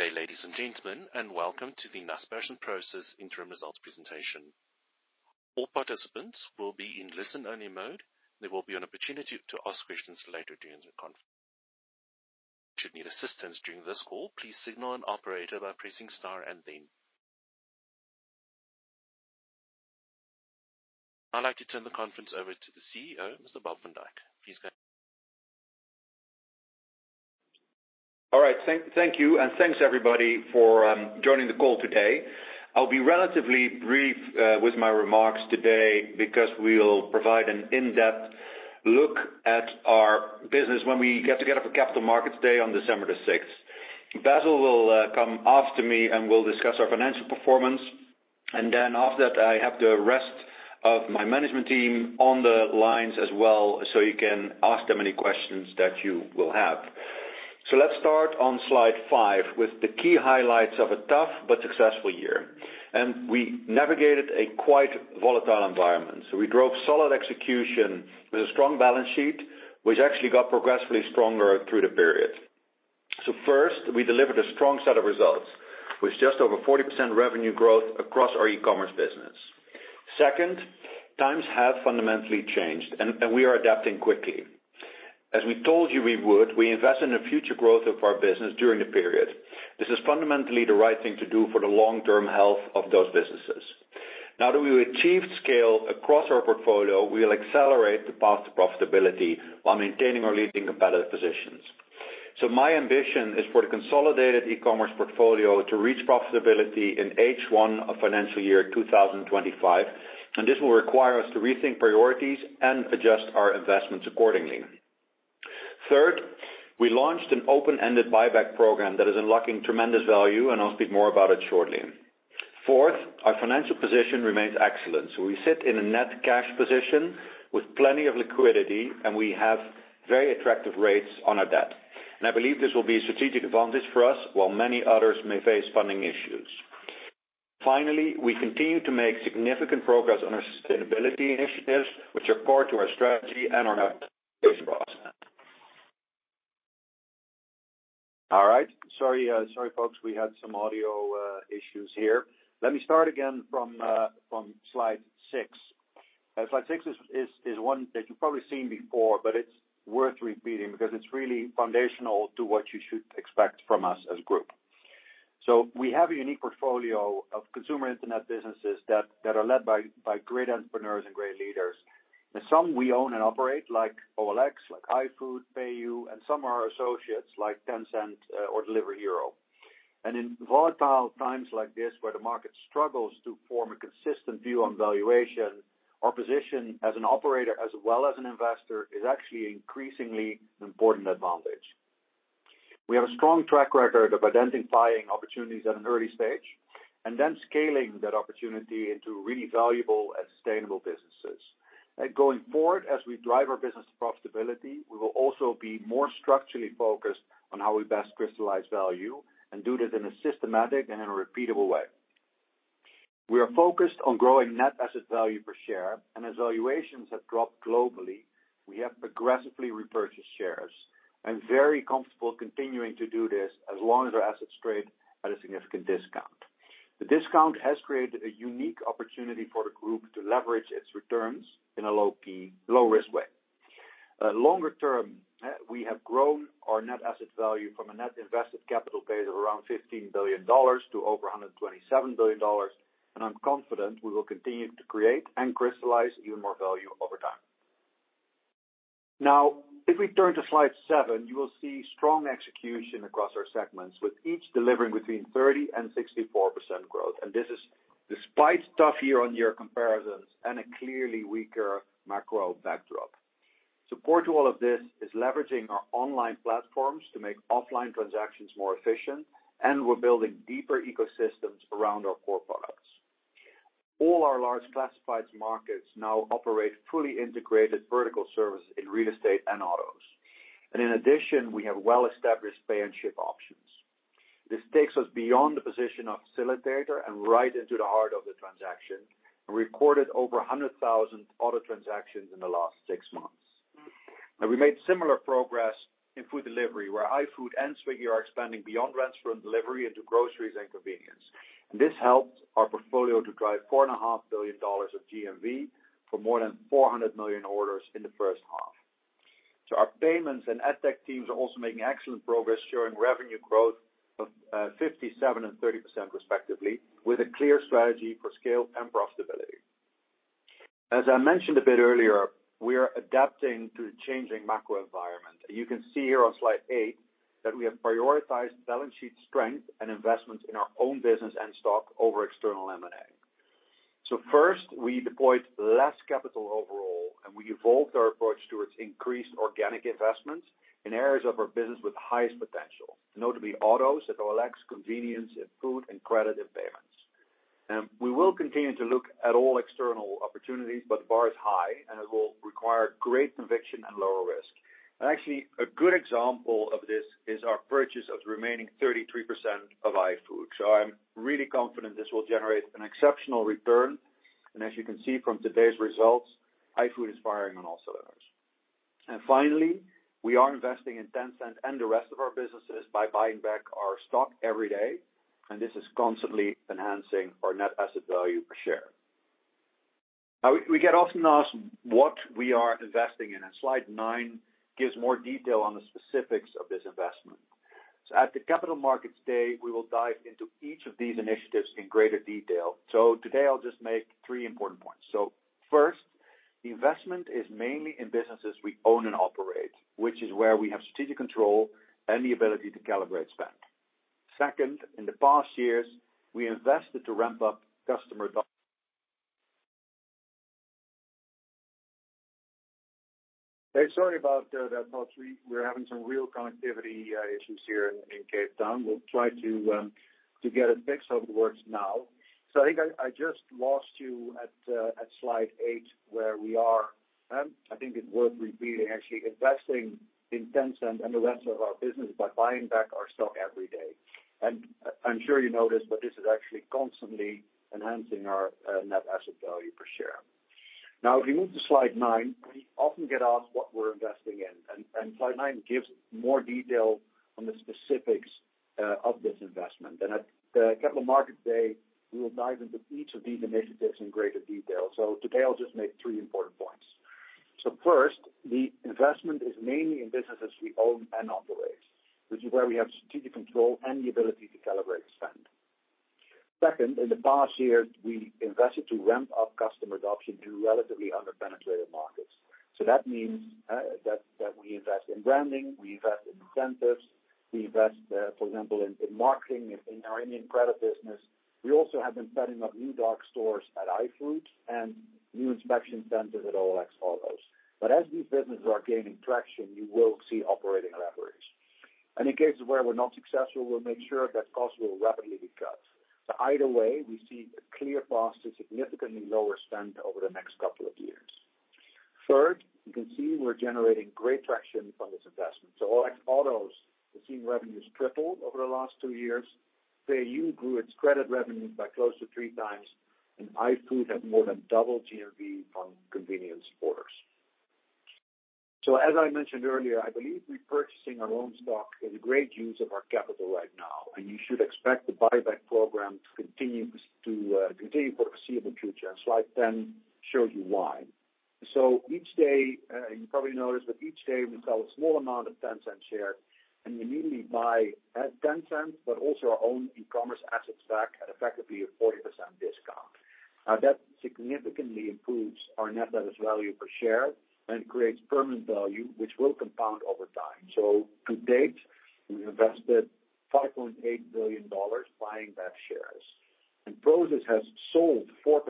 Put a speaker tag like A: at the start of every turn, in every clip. A: Good day, ladies and gentlemen, and welcome to the Naspers and Prosus interim results presentation. All participants will be in listen-only mode. There will be an opportunity to ask questions later during the conference. If you should need assistance during this call, please signal an operator by pressing star and then. I'd like to turn the conference over to the CEO, Mr. Bob van Dijk. Please go ahead.
B: All right. Thank you. Thanks, everybody, for joining the call today. I'll be relatively brief with my remarks today because we'll provide an in-depth look at our business when we get together for Capital Markets Day on December 6th. Basil will come after me. We'll discuss our financial performance. After that, I have the rest of my management team on the lines as well, so you can ask them any questions that you will have. Let's start on slide five with the key highlights of a tough but successful year. We navigated a quite volatile environment. We drove solid execution with a strong balance sheet, which actually got progressively stronger through the period. First, we delivered a strong set of results with just over 40% revenue growth across our e-commerce business. Second, times have fundamentally changed. We are adapting quickly. As we told you we would, we invest in the future growth of our business during the period. This is fundamentally the right thing to do for the long-term health of those businesses. Now that we've achieved scale across our portfolio, we'll accelerate the path to profitability while maintaining our leading competitive positions. My ambition is for the consolidated e-commerce portfolio to reach profitability in H1 of financial year 2025. This will require us to rethink priorities and adjust our investments accordingly. Third, we launched an open-ended buyback program that is unlocking tremendous value. I'll speak more about it shortly. Fourth, our financial position remains excellent. We sit in a net cash position with plenty of liquidity. We have very attractive rates on our debt. I believe this will be a strategic advantage for us, while many others may face funding issues. Finally, we continue to make significant progress on our sustainability initiatives, which are core to our strategy and our values process. All right. Sorry, folks, we had some audio issues here. Let me start again from slide six. Slide six is one that you've probably seen before. It's worth repeating because it's really foundational to what you should expect from us as a group. We have a unique portfolio of consumer internet businesses that are led by great entrepreneurs and great leaders. Some we own and operate, like OLX, like iFood, PayU. Some are associates, like Tencent or Delivery Hero. In volatile times like this, where the market struggles to form a consistent view on valuation, our position as an operator as well as an investor is actually an increasingly important advantage. We have a strong track record of identifying opportunities at an early stage and then scaling that opportunity into really valuable and sustainable businesses. Going forward, as we drive our business profitability, we will also be more structurally focused on how we best crystallize value and do this in a systematic and in a repeatable way. We are focused on growing net asset value per share, and as valuations have dropped globally, we have progressively repurchased shares and very comfortable continuing to do this as long as our assets trade at a significant discount. The discount has created a unique opportunity for the group to leverage its returns in a low risk way. Longer term, we have grown our net asset value from a net invested capital base of around $15 billion to over $127 billion, and I'm confident we will continue to create and crystallize even more value over time. If we turn to slide seven, you will see strong execution across our segments, with each delivering between 30%-64% growth. This is despite tough year-on-year comparisons and a clearly weaker macro backdrop. Support to all of this is leveraging our online platforms to make offline transactions more efficient, and we're building deeper ecosystems around our core products. All our large classifieds markets now operate fully integrated vertical services in real estate and autos. In addition, we have well-established Pay and Ship options. This takes us beyond the position of facilitator and right into the heart of the transaction and recorded over 100,000 auto transactions in the last six months. We made similar progress in food delivery, where iFood and Swiggy are expanding beyond restaurant delivery into groceries and convenience. This helped our portfolio to drive $4.5 billion of GMV for more than 400 million orders in the first half. Our payments and EdTech teams are also making excellent progress, showing revenue growth of 57% and 30% respectively, with a clear strategy for scale and profitability. As I mentioned a bit earlier, we are adapting to the changing macro environment. You can see here on slide eight that we have prioritized balance sheet strength and investments in our own business and stock over external M&A. First, we deployed less capital overall, and we evolved our approach towards increased organic investments in areas of our business with highest potential, notably autos at OLX, convenience in food, and credit in payments. We will continue to look at all external opportunities, but the bar is high, and it will require great conviction and lower risk. Actually, a good example of this is our purchase of the remaining 33% of iFood. I'm really confident this will generate an exceptional return, and as you can see from today's results, iFood is firing on all cylinders. Finally, we are investing in Tencent and the rest of our businesses by buying back our stock every day, and this is constantly enhancing our net asset value per share. We get often asked what we are investing in, and slide nine gives more detail on the specifics of this investment. At the Capital Markets Day, we will dive into each of these initiatives in greater detail. Today, I'll just make three important points. First, the investment is mainly in businesses we own and operate, which is where we have strategic control and the ability to calibrate spend. Second, in the past years, we invested to ramp up customer. Hey, sorry about that. We're having some real connectivity issues here in Cape Town. We'll try to get a fix, hopefully, it works now. I think I just lost you at slide eight, where we are, I think it's worth repeating, actually, investing in Tencent and the rest of our business by buying back our stock every day. I'm sure you know this, but this is actually constantly enhancing our net asset value per share. If you move to slide nine, we often get asked what we're investing in, and slide nine gives more detail on the specifics of this investment. At the Capital Markets Day, we will dive into each of these initiatives in greater detail. Today, I'll just make three important points. First, the investment is mainly in businesses we own and operate. This is where we have strategic control and the ability to calibrate spend. Second, in the past year, we invested to ramp up customer adoption to relatively under-penetrated markets. That means that we invest in branding, we invest in incentives, we invest, for example, in marketing in our Indian credit business. We also have been setting up new dark stores at iFood and new inspection centers at OLX Autos. As these businesses are gaining traction, you will see operating leverage. In cases where we're not successful, we'll make sure that costs will rapidly be cut. Either way, we see a clear path to significantly lower spend over the next couple of years. Third, you can see we're generating great traction from this investment. OLX Autos, we've seen revenues triple over the last two years. PayU grew its credit revenues by close to three times, and iFood has more than doubled GMV from convenience orders. As I mentioned earlier, I believe repurchasing our own stock is a great use of our capital right now, and you should expect the buyback program to continue for the foreseeable future, slide 10 shows you why. Each day, you probably noticed that each day we sell a small amount of Tencent shares, and we immediately buy Tencent, but also our own e-commerce assets back at effectively a 40% discount. That significantly improves our net asset value per share and creates permanent value, which will compound over time. To date, we've invested $5.8 billion buying back shares. Prosus has sold 4%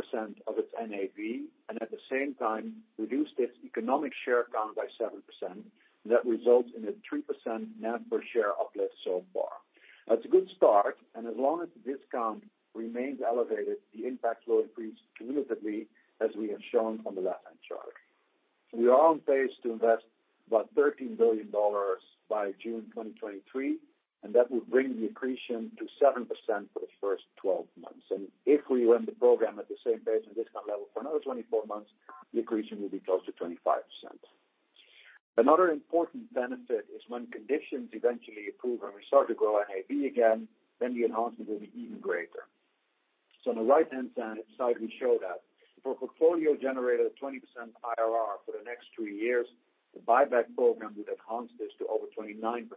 B: of its NAV, and at the same time reduced its economic share count by 7%, that results in a 3% NAV per share uplift so far. That's a good start. As long as the discount remains elevated, the impact will increase cumulatively, as we have shown on the left-hand chart. We are on pace to invest about $13 billion by June 2023, and that will bring the accretion to 7% for the first 12 months. If we run the program at the same pace and discount level for another 24 months, the accretion will be close to 25%. Another important benefit is when conditions eventually improve and we start to grow NAV again, then the enhancement will be even greater. On the right-hand side, we show that. If our portfolio generated a 20% IRR for the next three years, the buyback program would enhance this to over 29%,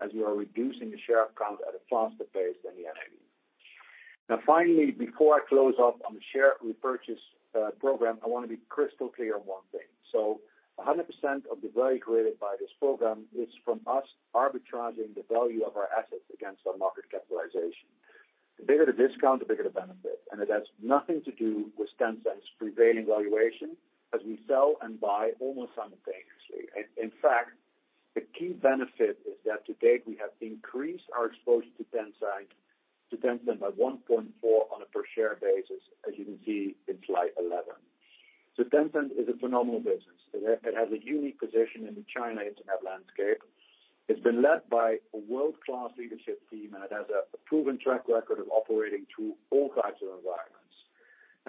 B: as we are reducing the share count at a faster pace than the NAV. Finally, before I close off on the share repurchase program, I want to be crystal clear on one thing. 100% of the value created by this program is from us arbitraging the value of our assets against our market capitalization. The bigger the discount, the bigger the benefit, and it has nothing to do with Tencent's prevailing valuation as we sell and buy almost simultaneously. In fact, the key benefit is that to date, we have increased our exposure to Tencent by 1.4 on a per share basis, as you can see in slide 11. Tencent is a phenomenal business. It has a unique position in the China internet landscape. It's been led by a world-class leadership team, and it has a proven track record of operating through all types of environments.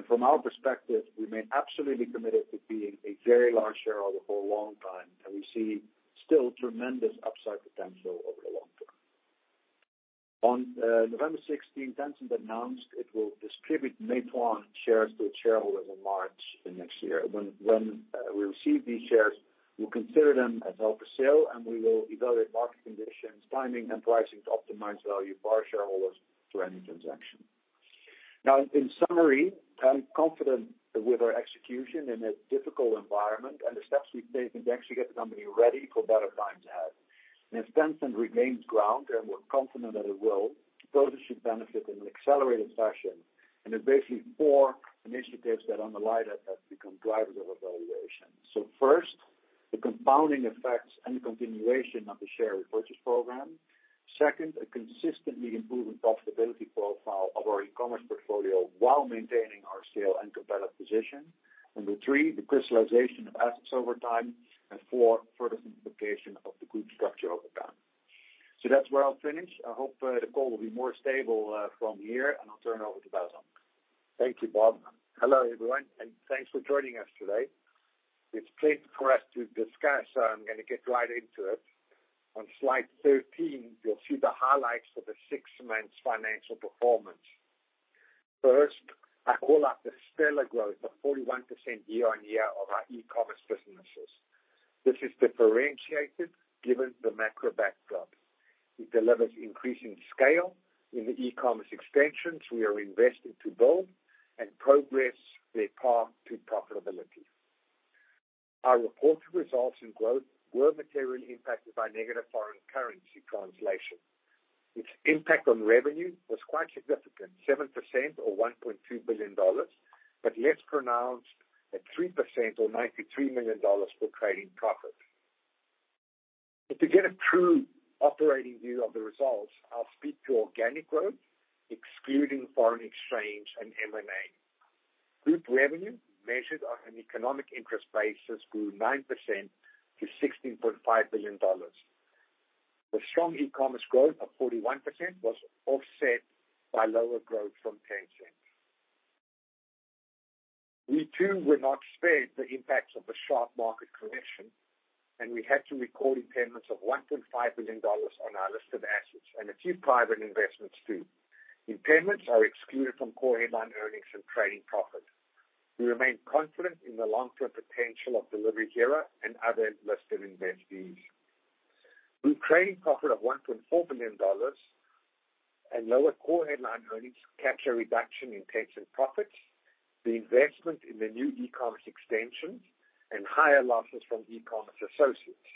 B: From our perspective, we remain absolutely committed to being a very large shareholder for a long time, and we see still tremendous upside potential over the long term. On November 16, Tencent announced it will distribute Meituan shares to its shareholders in March next year. When we receive these shares, we'll consider them as held for sale, and we will evaluate market conditions, timing, and pricing to optimize value for our shareholders through any transaction. In summary, I'm confident with our execution in a difficult environment and the steps we've taken to actually get the company ready for better times ahead. If Tencent remains strong, and we're confident that it will, Prosus should benefit in an accelerated fashion. There are basically four initiatives that underlie that have become drivers of our valuation. First, the compounding effects and continuation of the share repurchase program. Second, a consistently improving profitability profile of our e-commerce portfolio while maintaining our scale and competitive position. Number three, the crystallization of assets over time. Four, further simplification of the group structure over time. That's where I'll finish. I hope the call will be more stable from here, and I'll turn it over to Basil.
C: Thank you, Bob. Hello, everyone, and thanks for joining us today. It is pleasant for us to discuss. I am going to get right into it. On slide 13, you will see the highlights of the six months financial performance. First, I call out the stellar growth of 41% year-on-year of our e-commerce businesses. This is differentiated given the macro backdrop. It delivers increasing scale in the e-commerce extensions we are investing to build and progress their path to profitability. Our reported results and growth were materially impacted by negative foreign currency translation. Its impact on revenue was quite significant, 7% or $1.2 billion, less pronounced at 3% or $93 million for trading profit. To get a true operating view of the results, I will speak to organic growth, excluding foreign exchange and M&A. Group revenue, measured on an economic interest basis, grew 9% to $16.5 billion. The strong e-commerce growth of 41% was offset by lower growth from PayU. We, too, were not spared the impacts of the sharp market correction. We had to record impairments of $1.5 billion on our list of assets and a few private investments, too. Impairments are excluded from core headline earnings and trading profit. We remain confident in the long-term potential of Delivery Hero and other listed investees. Group trading profit of $1.4 billion and lower core headline earnings capture a reduction in trading profits, the investment in the new e-commerce extensions, and higher losses from e-commerce associates.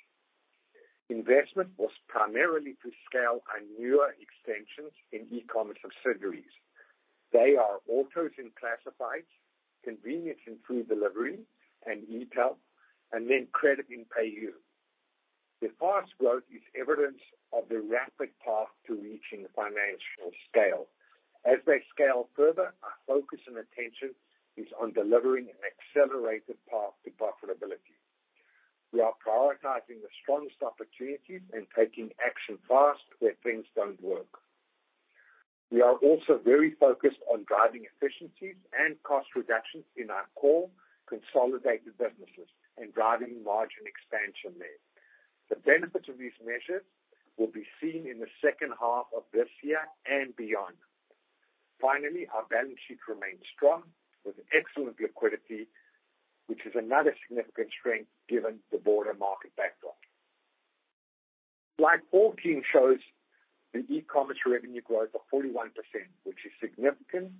C: Investment was primarily to scale our newer extensions in e-commerce subsidiaries. They are autos and classifieds, convenience and food delivery, e-tail, credit and PayU. Their fast growth is evidence of the rapid path to reaching financial scale. As they scale further, our focus and attention is on delivering an accelerated path to profitability. We are prioritizing the strongest opportunities and taking action fast where things do not work. We are also very focused on driving efficiencies and cost reductions in our core consolidated businesses and driving margin expansion there. The benefits of these measures will be seen in the second half of this year and beyond. Finally, our balance sheet remains strong with excellent liquidity, which is another significant strength given the broader market backdrop. Slide 14 shows the e-commerce revenue growth of 41%, which is significant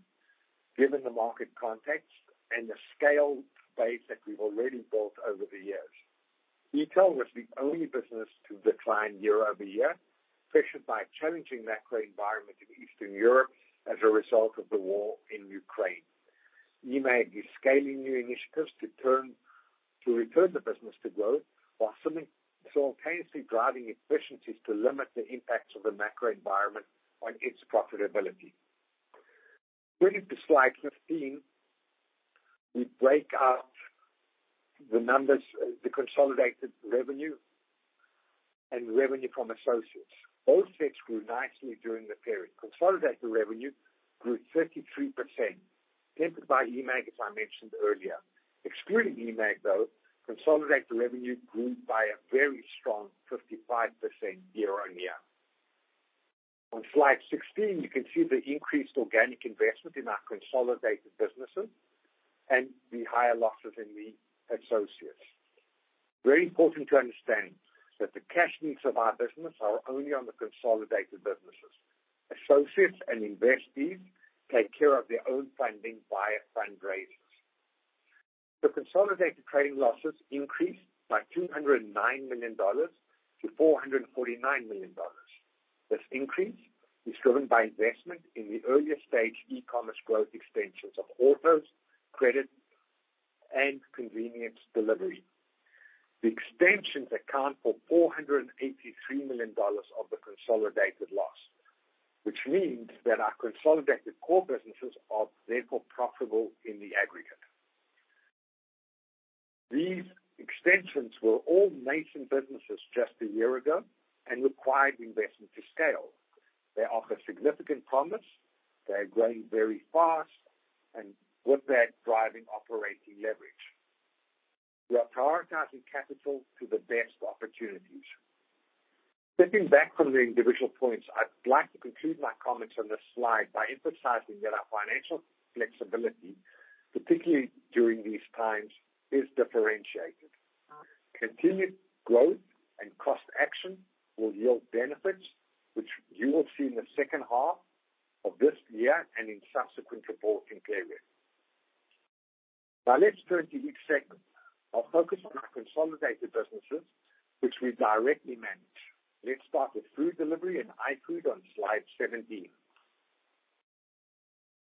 C: given the market context and the scale base that we have already built over the years. E-tail was the only business to decline year-over-year, affected by a challenging macro environment in Eastern Europe as a result of the war in Ukraine. eMAG is scaling new initiatives to return the business to growth while simultaneously driving efficiencies to limit the impacts of the macro environment on its profitability. Turning to slide 15, we break out the numbers, the consolidated revenue from associates. Both sets grew nicely during the period. Consolidated revenue grew 33%, tempered by eMAG, as I mentioned earlier. Excluding eMAG, though, consolidated revenue grew by a very strong 55% year-on-year. On slide 16, you can see the increased organic investment in our consolidated businesses and the higher losses in the associates. Very important to understand that the cash needs of our business are only on the consolidated businesses. Associates and investees take care of their own funding via fundraisings. The consolidated trading losses increased by $209 million to $449 million. This increase is driven by investment in the earlier stage e-commerce growth extensions of autos, credit, and convenience delivery. The extensions account for $483 million of the consolidated loss, which means that our consolidated core businesses are therefore profitable in the aggregate. These extensions were all nascent businesses just a year ago and required investment to scale. They offer significant promise. They are growing very fast and with that, driving operating leverage. We are prioritizing capital to the best opportunities. Stepping back from the individual points, I'd like to conclude my comments on this slide by emphasizing that our financial flexibility, particularly during these times, is differentiated. Continued growth and cost action will yield benefits, which you will see in the second half of this year and in subsequent reporting periods. Let's turn to each segment. I'll focus on our consolidated businesses, which we directly manage. Let's start with food delivery and iFood on slide 17.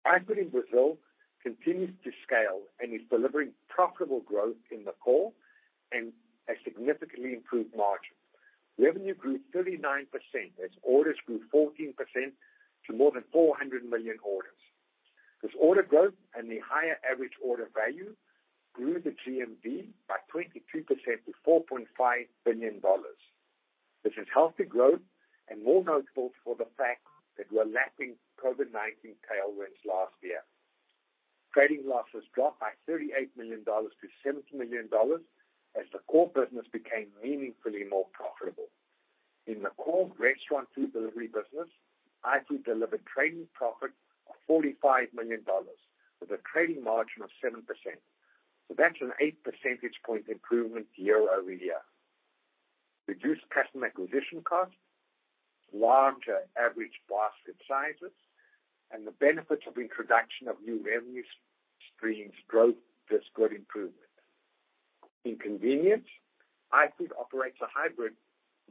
C: iFood in Brazil continues to scale and is delivering profitable growth in the core and a significantly improved margin. Revenue grew 39% as orders grew 14% to more than 400 million orders. This order growth and the higher average order value grew the GMV by 22% to $4.5 billion. This is healthy growth, and more notable for the fact that we're lapping COVID-19 tailwinds last year. Trading losses dropped by $38 million to $70 million as the core business became meaningfully more profitable. In the core restaurant food delivery business, iFood delivered trading profit of $45 million, with a trading margin of 7%. That's an eight percentage point improvement year-over-year. Reduced customer acquisition costs, larger average basket sizes, and the benefits of introduction of new revenue streams drove this good improvement. In convenience, iFood operates a hybrid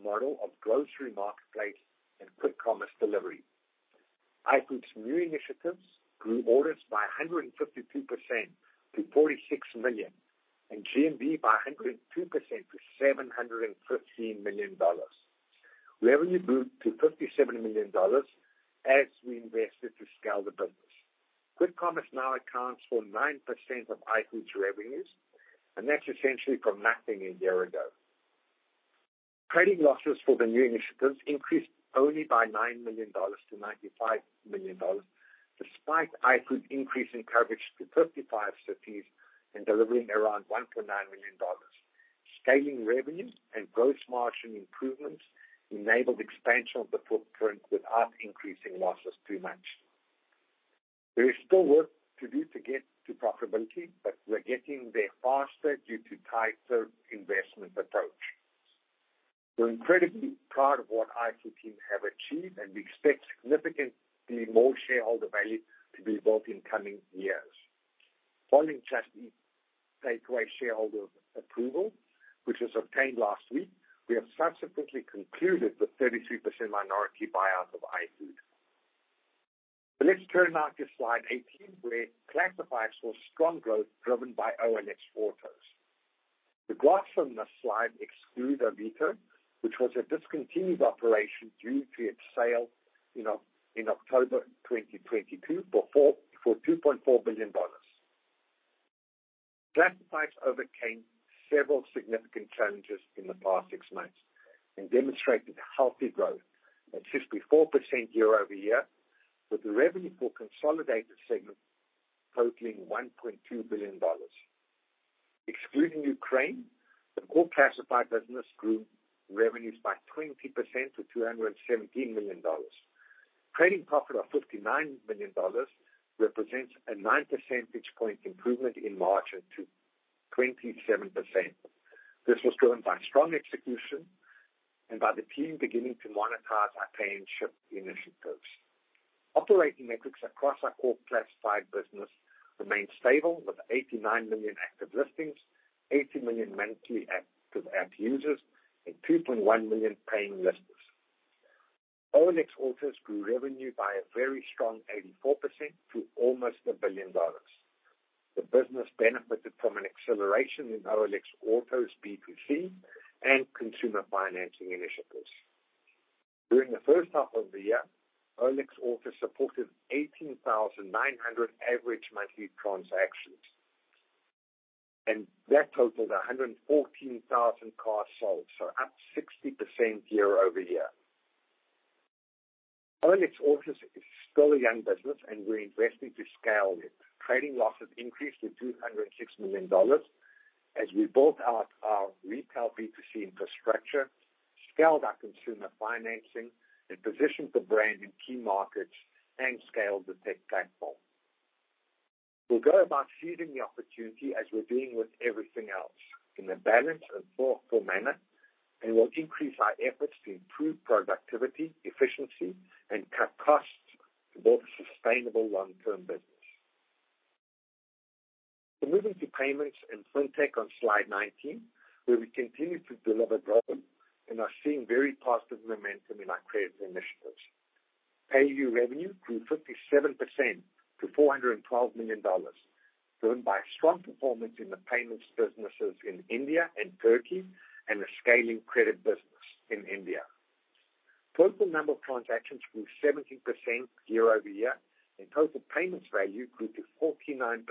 C: model of grocery marketplace and quick commerce delivery. iFood's new initiatives grew orders by 152% to 46 million, and GMV by 102% to $715 million. Revenue grew to $57 million as we invested to scale the business. Quick commerce now accounts for 9% of iFood's revenues, and that's essentially from nothing a year ago. Trading losses for the new initiatives increased only by $9 million to $95 million, despite iFood increasing coverage to 35 cities and delivering around $1.9 million. Scaling revenue and gross margin improvements enabled expansion of the footprint without increasing losses too much. There is still work to do to get to profitability, but we're getting there faster due to tighter investment approach. We're incredibly proud of what iFood team have achieved, and we expect significantly more shareholder value to be built in coming years. Following Just Eat Takeaway shareholder approval, which was obtained last week, we have subsequently concluded the 33% minority buyout of iFood. Let's turn now to slide 18, where Classifieds saw strong growth driven by OLX Autos. The graphs on this slide exclude Avito, which was a discontinued operation due to its sale in October 2022 for $2.4 billion. Classifieds overcame several significant challenges in the past six months and demonstrated healthy growth at 54% year-over-year, with the revenue for consolidated segment totaling $1.2 billion. Excluding Ukraine, the core Classified business grew revenues by 20% to $217 million. Trading profit of $59 million represents a nine percentage point improvement in margin to 27%. This was driven by strong execution and by the team beginning to monetize our Pay and Ship initiatives. Operating metrics across our core Classified business remained stable with 89 million active listings, 80 million monthly active app users, and 2.1 million paying listers. OLX Autos grew revenue by a very strong 84% to almost $1 billion. The business benefited from an acceleration in OLX Autos B2C and consumer financing initiatives. During the first half of the year, OLX Autos supported 18,900 average monthly transactions, and that totaled 114,000 cars sold, up 60% year-over-year. OLX Autos is still a young business, and we're investing to scale it. Trading losses increased to $206 million as we built out our retail B2C infrastructure, scaled our consumer financing, positioned the brand in key markets, and scaled the tech platform. We'll go about seizing the opportunity as we're doing with everything else, in a balanced and thoughtful manner, and we'll increase our efforts to improve productivity, efficiency, and cut costs to build a sustainable long-term business. Moving to Payments and Fintech on slide 19, where we continue to deliver growth and are seeing very positive momentum in our credit initiatives. PayU revenue grew 57% to $412 million, driven by strong performance in the payments businesses in India and Turkey, and a scaling credit business in India. Total number of transactions grew 17% year-over-year, and total payments value grew to 49%,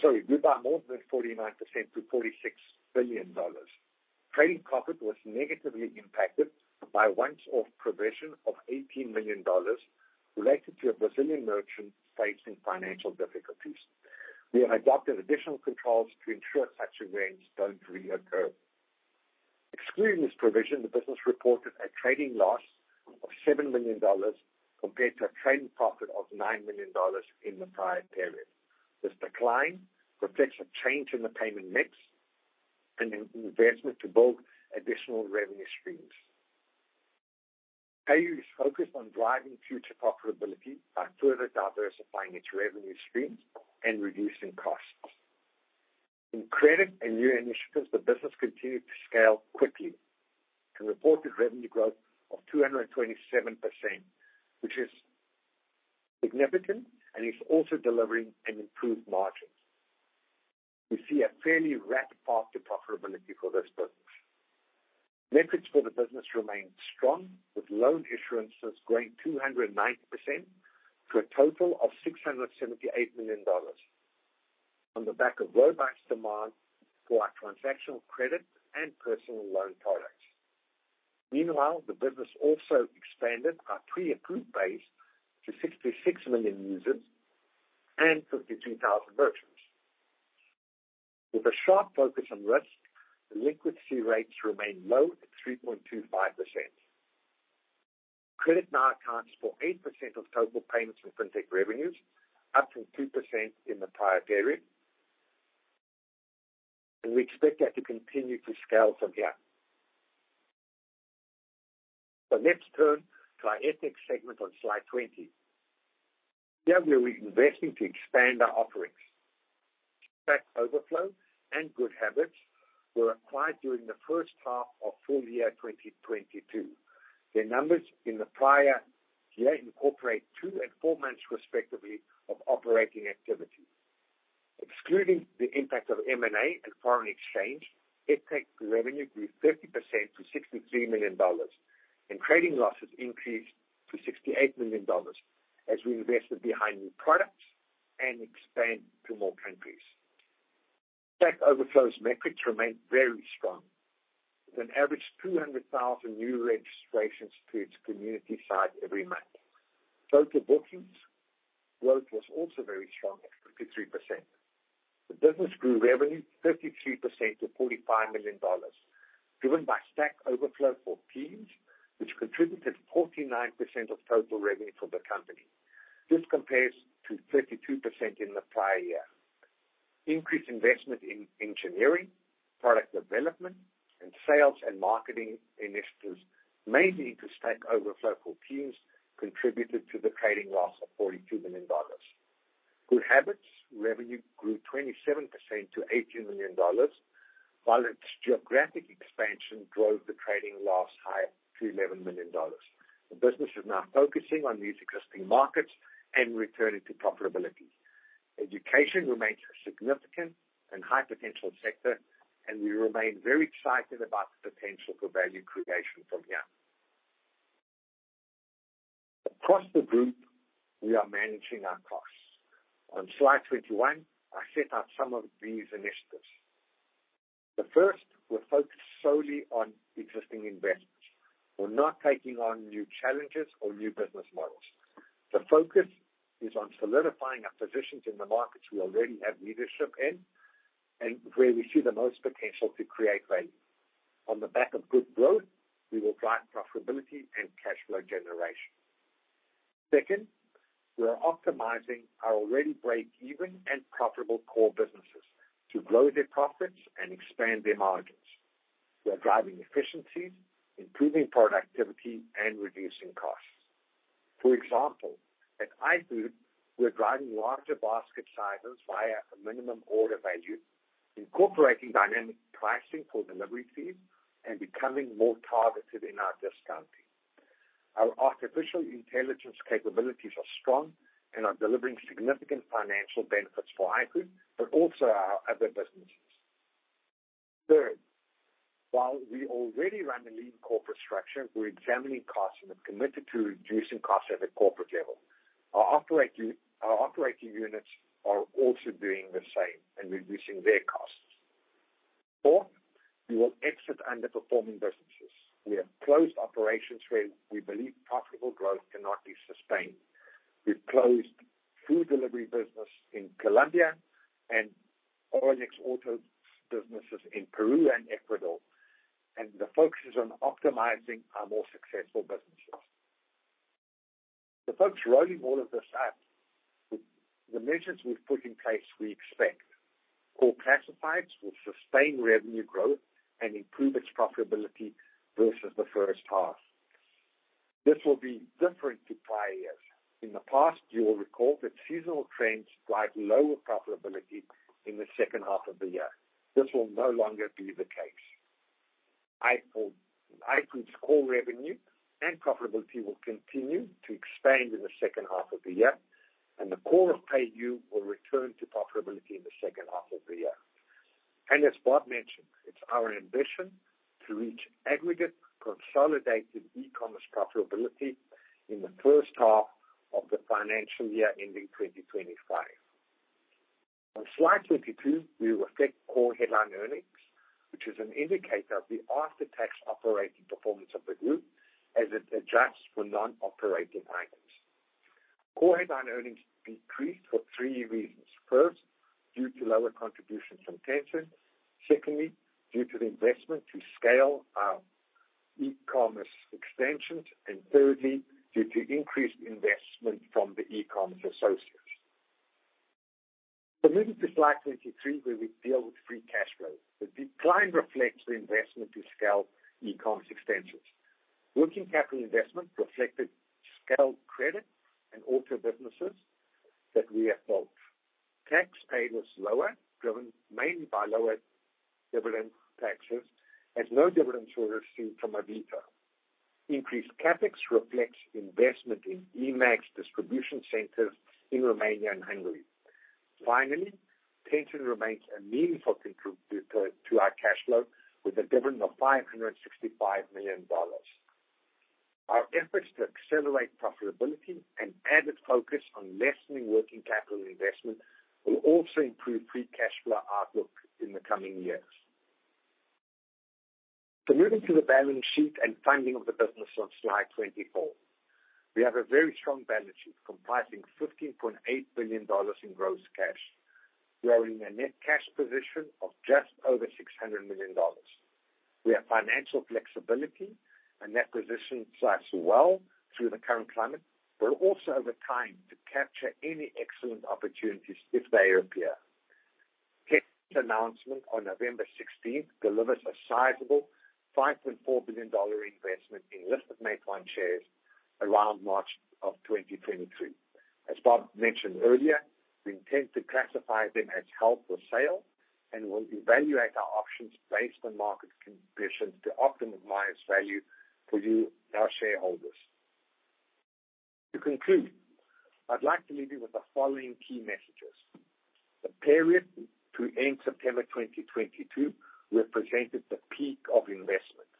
C: sorry, grew by more than 49% to $46 billion. Trading profit was negatively impacted by a once-off provision of $18 million related to a Brazilian merchant facing financial difficulties. We have adopted additional controls to ensure such events don't reoccur. Excluding this provision, the business reported a trading loss of $7 million compared to a trading profit of $9 million in the prior period. This decline reflects a change in the payment mix and an investment to build additional revenue streams. PayU is focused on driving future profitability by further diversifying its revenue streams and reducing costs. In credit and new initiatives, the business continued to scale quickly and reported revenue growth of 227%, which is significant and is also delivering an improved margin. We see a fairly rapid path to profitability for this business. Metrics for the business remain strong, with loan issuances growing 290% to a total of $678 million on the back of robust demand for our transactional credit and personal loan products. Meanwhile, the business also expanded our pre-approved base to 66 million users and 53,000 merchants. With a sharp focus on risk, the delinquency rates remain low at 3.25%. Credit now accounts for 8% of total payments and fintech revenues, up from 2% in the prior period, and we expect that to continue to scale from here. Let's turn to our EdTech segment on slide 20. Here we are investing to expand our offerings. Stack Overflow and GoodHabitz were acquired during the first half of full year 2022. Their numbers in the prior year incorporate two and four months, respectively, of operating activity. Excluding the impact of M&A and foreign exchange, EdTech revenue grew 30% to $63 million, and trading losses increased to $68 million as we invested behind new products and expand to more countries. Stack Overflow's metrics remain very strong, with an average 200,000 new registrations to its community site every month. Total bookings growth was also very strong at 53%. The business grew revenue 33% to $45 million, driven by Stack Overflow for Teams, which contributed 49% of total revenue for the company. This compares to 32% in the prior year. Increased investment in engineering, product development, and sales and marketing initiatives, mainly to Stack Overflow for Teams, contributed to the trading loss of $42 million. GoodHabitz revenue grew 27% to $18 million, while its geographic expansion drove the trading loss higher to $11 million. The business is now focusing on these existing markets and returning to profitability. Education remains a significant and high potential sector, and we remain very excited about the potential for value creation from here. Across the group, we are managing our costs. On slide 21, I set out some of these initiatives. The first will focus solely on existing investments. We're not taking on new challenges or new business models. The focus is on solidifying our positions in the markets we already have leadership in and where we see the most potential to create value. On the back of good growth, we will drive profitability and cash flow generation. Second, we are optimizing our already break-even and profitable core businesses to grow their profits and expand their margins. We are driving efficiencies, improving productivity, and reducing costs. For example, at iFood, we're driving larger basket sizes via a minimum order value, incorporating dynamic pricing for delivery fees, and becoming more targeted in our discounting. Our artificial intelligence capabilities are strong and are delivering significant financial benefits for iFood, but also our other businesses. Third, while we already run a lean corporate structure, we're examining costs and have committed to reducing costs at the corporate level. Our operating units are also doing the same and reducing their costs. Fourth, we will exit underperforming businesses. We have closed operations where we believe profitable growth cannot be sustained. We've closed food delivery business in Colombia and OLX Autos businesses in Peru and Ecuador. The focus is on optimizing our more successful businesses. The folks rolling all of this up, the measures we've put in place, we expect Core Classifieds will sustain revenue growth and improve its profitability versus the first half. This will be different to prior years. In the past, you will recall that seasonal trends drive lower profitability in the second half of the year. This will no longer be the case. iFood's core revenue and profitability will continue to expand in the second half of the year. The core of PayU will return to profitability in the second half of the year. As Bob mentioned, it's our ambition to reach aggregate consolidated e-commerce profitability in the first half of the financial year ending 2025. On slide 22, we reflect core headline earnings, which is an indicator of the after-tax operating performance of the group as it adjusts for non-operating items. Core headline earnings decreased for three reasons. First, due to lower contributions from Tencent. Secondly, due to the investment to scale our e-commerce extensions. Thirdly, due to increased investment from the e-commerce associates. Moving to slide 23, where we deal with free cash flow. The decline reflects the investment to scale e-commerce extensions. Working capital investment reflected scaled credit and auto businesses that we have built. Tax paid was lower, driven mainly by lower dividend taxes, as no dividends were received from Avito. Increased CapEx reflects investment in eMAG's distribution centers in Romania and Hungary. Finally, Tencent remains a meaningful contributor to our cash flow with a dividend of ZAR 565 million. Our efforts to accelerate profitability and added focus on lessening working capital investment will also improve free cash flow outlook in the coming years. Moving to the balance sheet and funding of the business on slide 24. We have a very strong balance sheet comprising ZAR 15.8 billion in gross cash, growing a net cash position of just over ZAR 600 million. We have financial flexibility, a net position that sits well through the current climate, but also over time to capture any excellent opportunities if they appear. Tencent's announcement on November 16 delivers a sizable $5.4 billion investment in listed Naspers shares around March 2023. As Bob mentioned earlier, we intend to classify them as held for sale and will evaluate our options based on market conditions to optimize value for you, our shareholders. To conclude, I would like to leave you with the following key messages. The period to end September 2022 represented the peak of investment.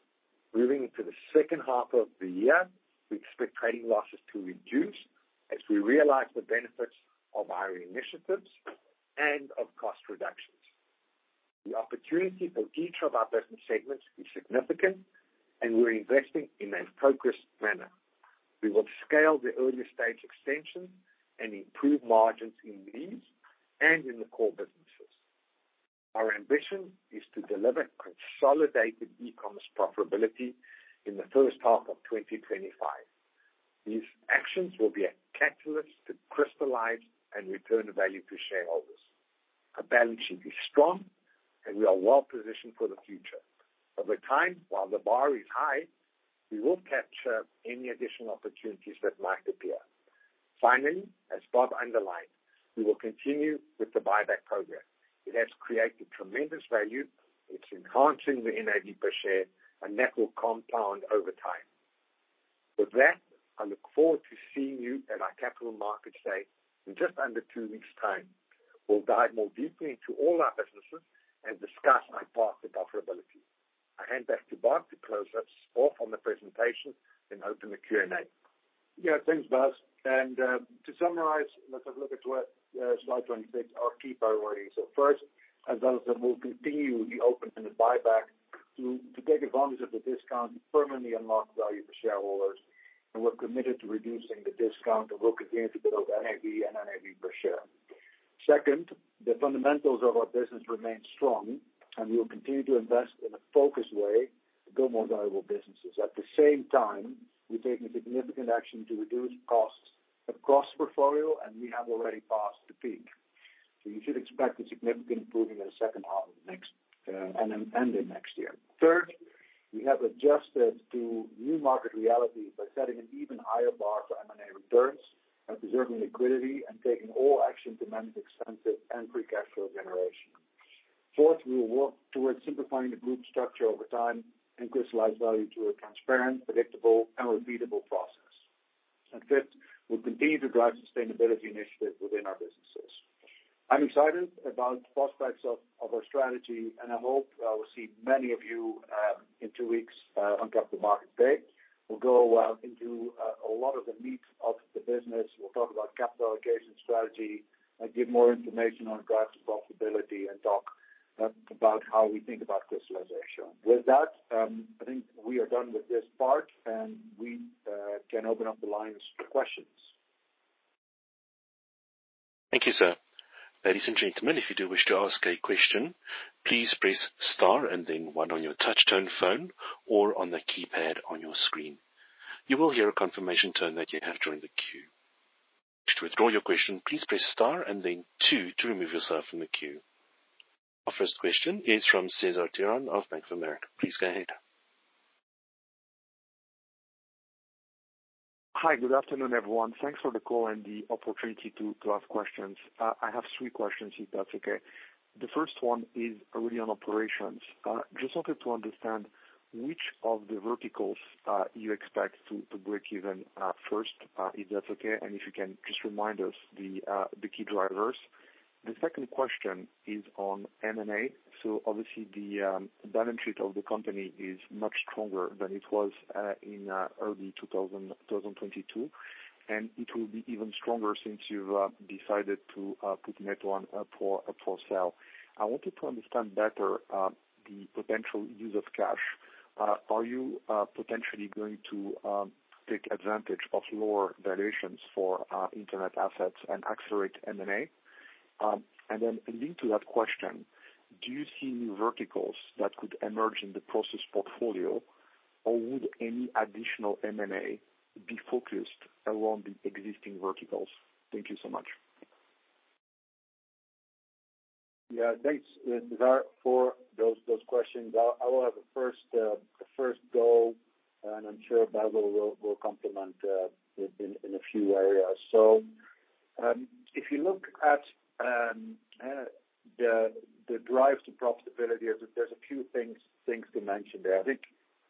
C: Moving into the second half of the year, we expect trading losses to reduce as we realize the benefits of our initiatives and of cost reductions. The opportunity for each of our business segments is significant, and we are investing in a focused manner. We will scale the earlier stage extensions and improve margins in these and in the core businesses. Our ambition is to deliver consolidated e-commerce profitability in the first half of 2025. These actions will be a catalyst to crystallize and return the value to shareholders. Our balance sheet is strong, and we are well-positioned for the future. Over time, while the bar is high, we will capture any additional opportunities that might appear. Finally, as Bob underlined, we will continue with the buyback program. It has created tremendous value. It is enhancing the NAV per share, and that will compound over time. With that, I look forward to seeing you at our Capital Markets Day in just under two weeks' time. We will dive more deeply into all our businesses and discuss our path to profitability. I hand back to Bob to close us off on the presentation, then open the Q&A.
B: Thanks, Bas. To summarize, let us have a look at what, slide 26, our key priorities. First, as Bas said, we will continue with the open and the buyback to take advantage of the discount and permanently unlock value for shareholders. We are committed to reducing the discount, and we will continue to build NAV and NAV per share. Second, the fundamentals of our business remain strong, and we will continue to invest in a focused way to build more valuable businesses. At the same time, we are taking significant action to reduce costs across portfolio, and we have already passed the peak. You should expect a significant improving in the second half of next and then ending next year. Third, we have adjusted to new market realities by setting an even higher bar for M&A returns and preserving liquidity and taking all action to manage expenses and free cash flow generation. Fourth, we will work towards simplifying the group structure over time and crystallize value through a transparent, predictable, and repeatable process. Fifth, we'll continue to drive sustainability initiatives within our businesses. I'm excited about the prospects of our strategy, and I hope I will see many of you in two weeks on Capital Markets Day. We'll go into a lot of the meat of the business. We'll talk about capital allocation strategy and give more information on drive to profitability and talk about how we think about crystallization. With that, I think we are done with this part, and we can open up the lines for questions.
A: Thank you, sir. Ladies and gentlemen, if you do wish to ask a question, please press star and then one on your touchtone phone or on the keypad on your screen. You will hear a confirmation tone that you have joined the queue. To withdraw your question, please press star and then two to remove yourself from the queue. Our first question is from Cesar Tiron of Bank of America. Please go ahead.
D: Hi. Good afternoon, everyone. Thanks for the call and the opportunity to ask questions. I have three questions, if that's okay. The first one is really on operations. Just wanted to understand which of the verticals you expect to break even first, if that's okay, and if you can just remind us the key drivers. The second question is on M&A. Obviously the balance sheet of the company is much stronger than it was in early 2022, and it will be even stronger since you've decided to put Net1 up for sale. I wanted to understand better the potential use of cash. Are you potentially going to take advantage of lower valuations for Internet assets and accelerate M&A? Linked to that question, do you see new verticals that could emerge in the Prosus portfolio, or would any additional M&A be focused around the existing verticals? Thank you so much.
B: Yeah. Thanks, Cesar Tiron, for those questions. I will have a first go, and I'm sure Bas will complement in a few areas. If you look at the drive to profitability, there's a few things to mention there. I think,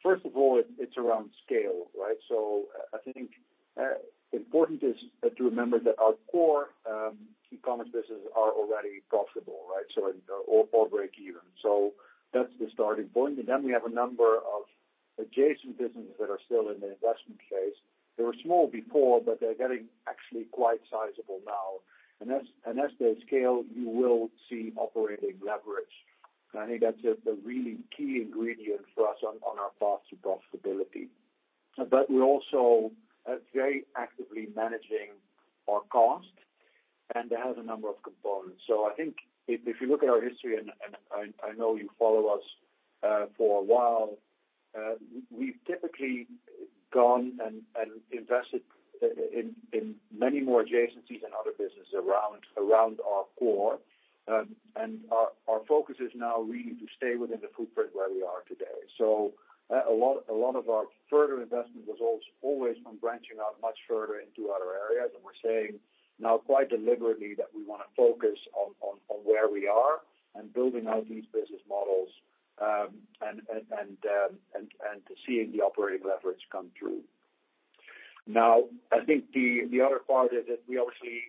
B: first of all, it's around scale, right? I think important is to remember that our core, e-commerce businesses are already profitable, right? Or break even. That's the starting point. We have a number of adjacent businesses that are still in the investment phase. They were small before, but they're getting actually quite sizable now. As they scale, you will see operating leverage. I think that's a really key ingredient for us on our path to profitability. We're also very actively managing our cost, and that has a number of components. I think if you look at our history, and I know you follow us for a while, we've typically gone and invested in many more adjacencies and other businesses around our core. Our focus is now really to stay within the footprint where we are today. A lot of our further investment was always on branching out much further into other areas. We're saying now quite deliberately that we want to focus on where we are and building out these business models, and to seeing the operating leverage come through. I think the other part is that we obviously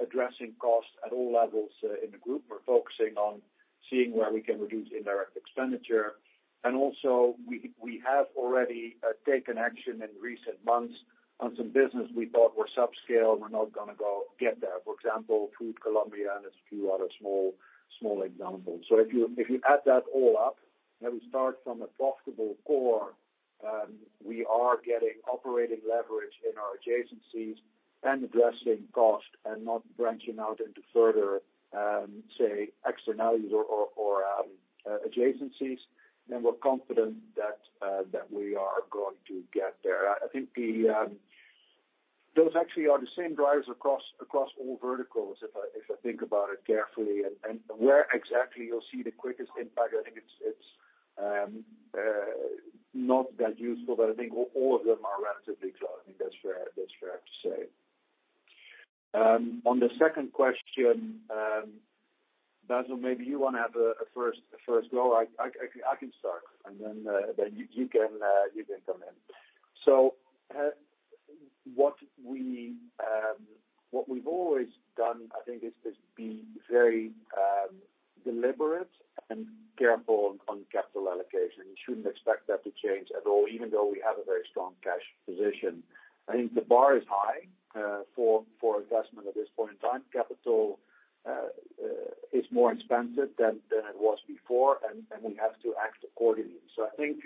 B: addressing costs at all levels in the group. We're focusing on seeing where we can reduce indirect expenditure. We have already taken action in recent months on some business we thought were subscale and are not going to get there, for example, iFood Colombia, and there's a few other small examples. If you add that all up, and we start from a profitable core, we are getting operating leverage in our adjacencies and addressing cost and not branching out into further, say, externalities or adjacencies, then we're confident that we are going to get there. I think those actually are the same drivers across all verticals, if I think about it carefully. Where exactly you'll see the quickest impact, I think it's not that useful, but I think all of them are relatively close. I think that's fair to say. On the second question, Basil, maybe you want to have a first go. I can start and then you can come in. What we've always done, I think, is just be very deliberate and careful on capital allocation. You shouldn't expect that to change at all, even though we have a very strong cash position. I think the bar is high for investment at this point in time. Capital is more expensive than it was before, and we have to act accordingly. I think,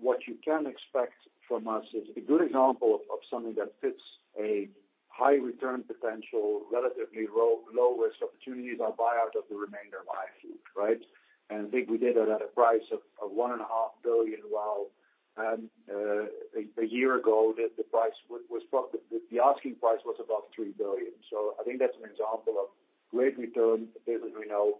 B: what you can expect from us is a good example of something that fits a high return potential, relatively low risk opportunities are buyout of the remainder iFood, right? I think we did that at a price of $1.5 billion, while a year ago the asking price was above $3 billion. I think that's an example of great return, a business we know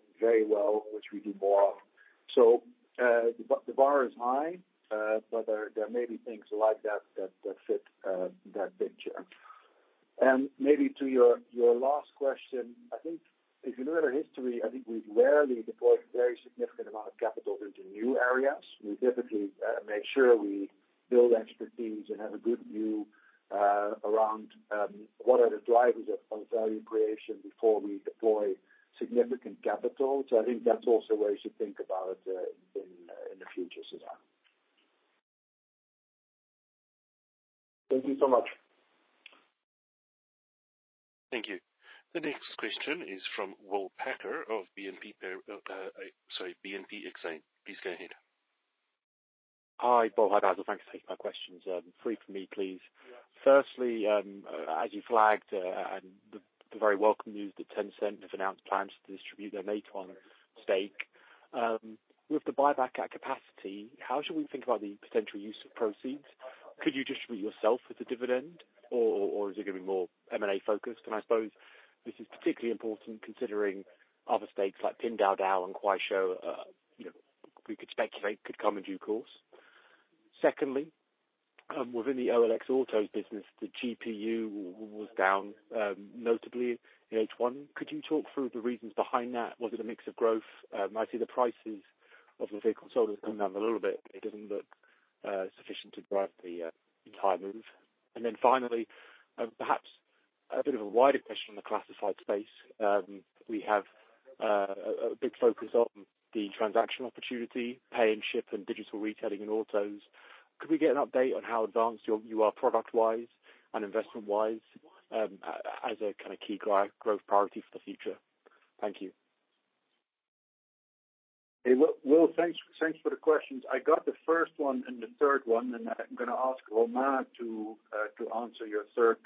B: very well, which we do more of. The bar is high, but there may be things like that fit that picture. Maybe to your last question, I think if you look at our history, I think we've rarely deployed very significant amount of capital into new areas. We typically make sure we build expertise and have a good view around what are the drivers of value creation before we deploy significant capital. I think that's also a way to think about it in the future, Bas. Thank you so much.
A: Thank you. The next question is from Will Packer of BNP Paribas. Sorry, BNP Exane. Please go ahead.
E: Hi, both. Hi, Basil. Thanks for taking my questions. Three from me, please. Firstly, as you flagged, the very welcome news that Tencent have announced plans to distribute their Meituan stake. With the buyback at capacity, how should we think about the potential use of proceeds? Could you distribute yourself with the dividend or is it going to be more M&A focused? I suppose this is particularly important considering other stakes like Pinduoduo and Kuaishou, we could speculate could come in due course. Secondly, within the OLX Autos business, the GPPU was down notably in H1. Could you talk through the reasons behind that? Was it a mix of growth? I see the prices of the vehicles sold has come down a little bit, but it doesn't look sufficient to drive the entire move. Finally, perhaps a bit of a wider question on the classified space. We have a big focus on the transaction opportunity, Pay and Ship and digital retailing and autos. Could we get an update on how advanced you are product wise and investment wise as a kind of key growth priority for the future? Thank you.
B: Hey, Will. Thanks for the questions. I got the first one and the third one, I'm going to ask Romain to answer your third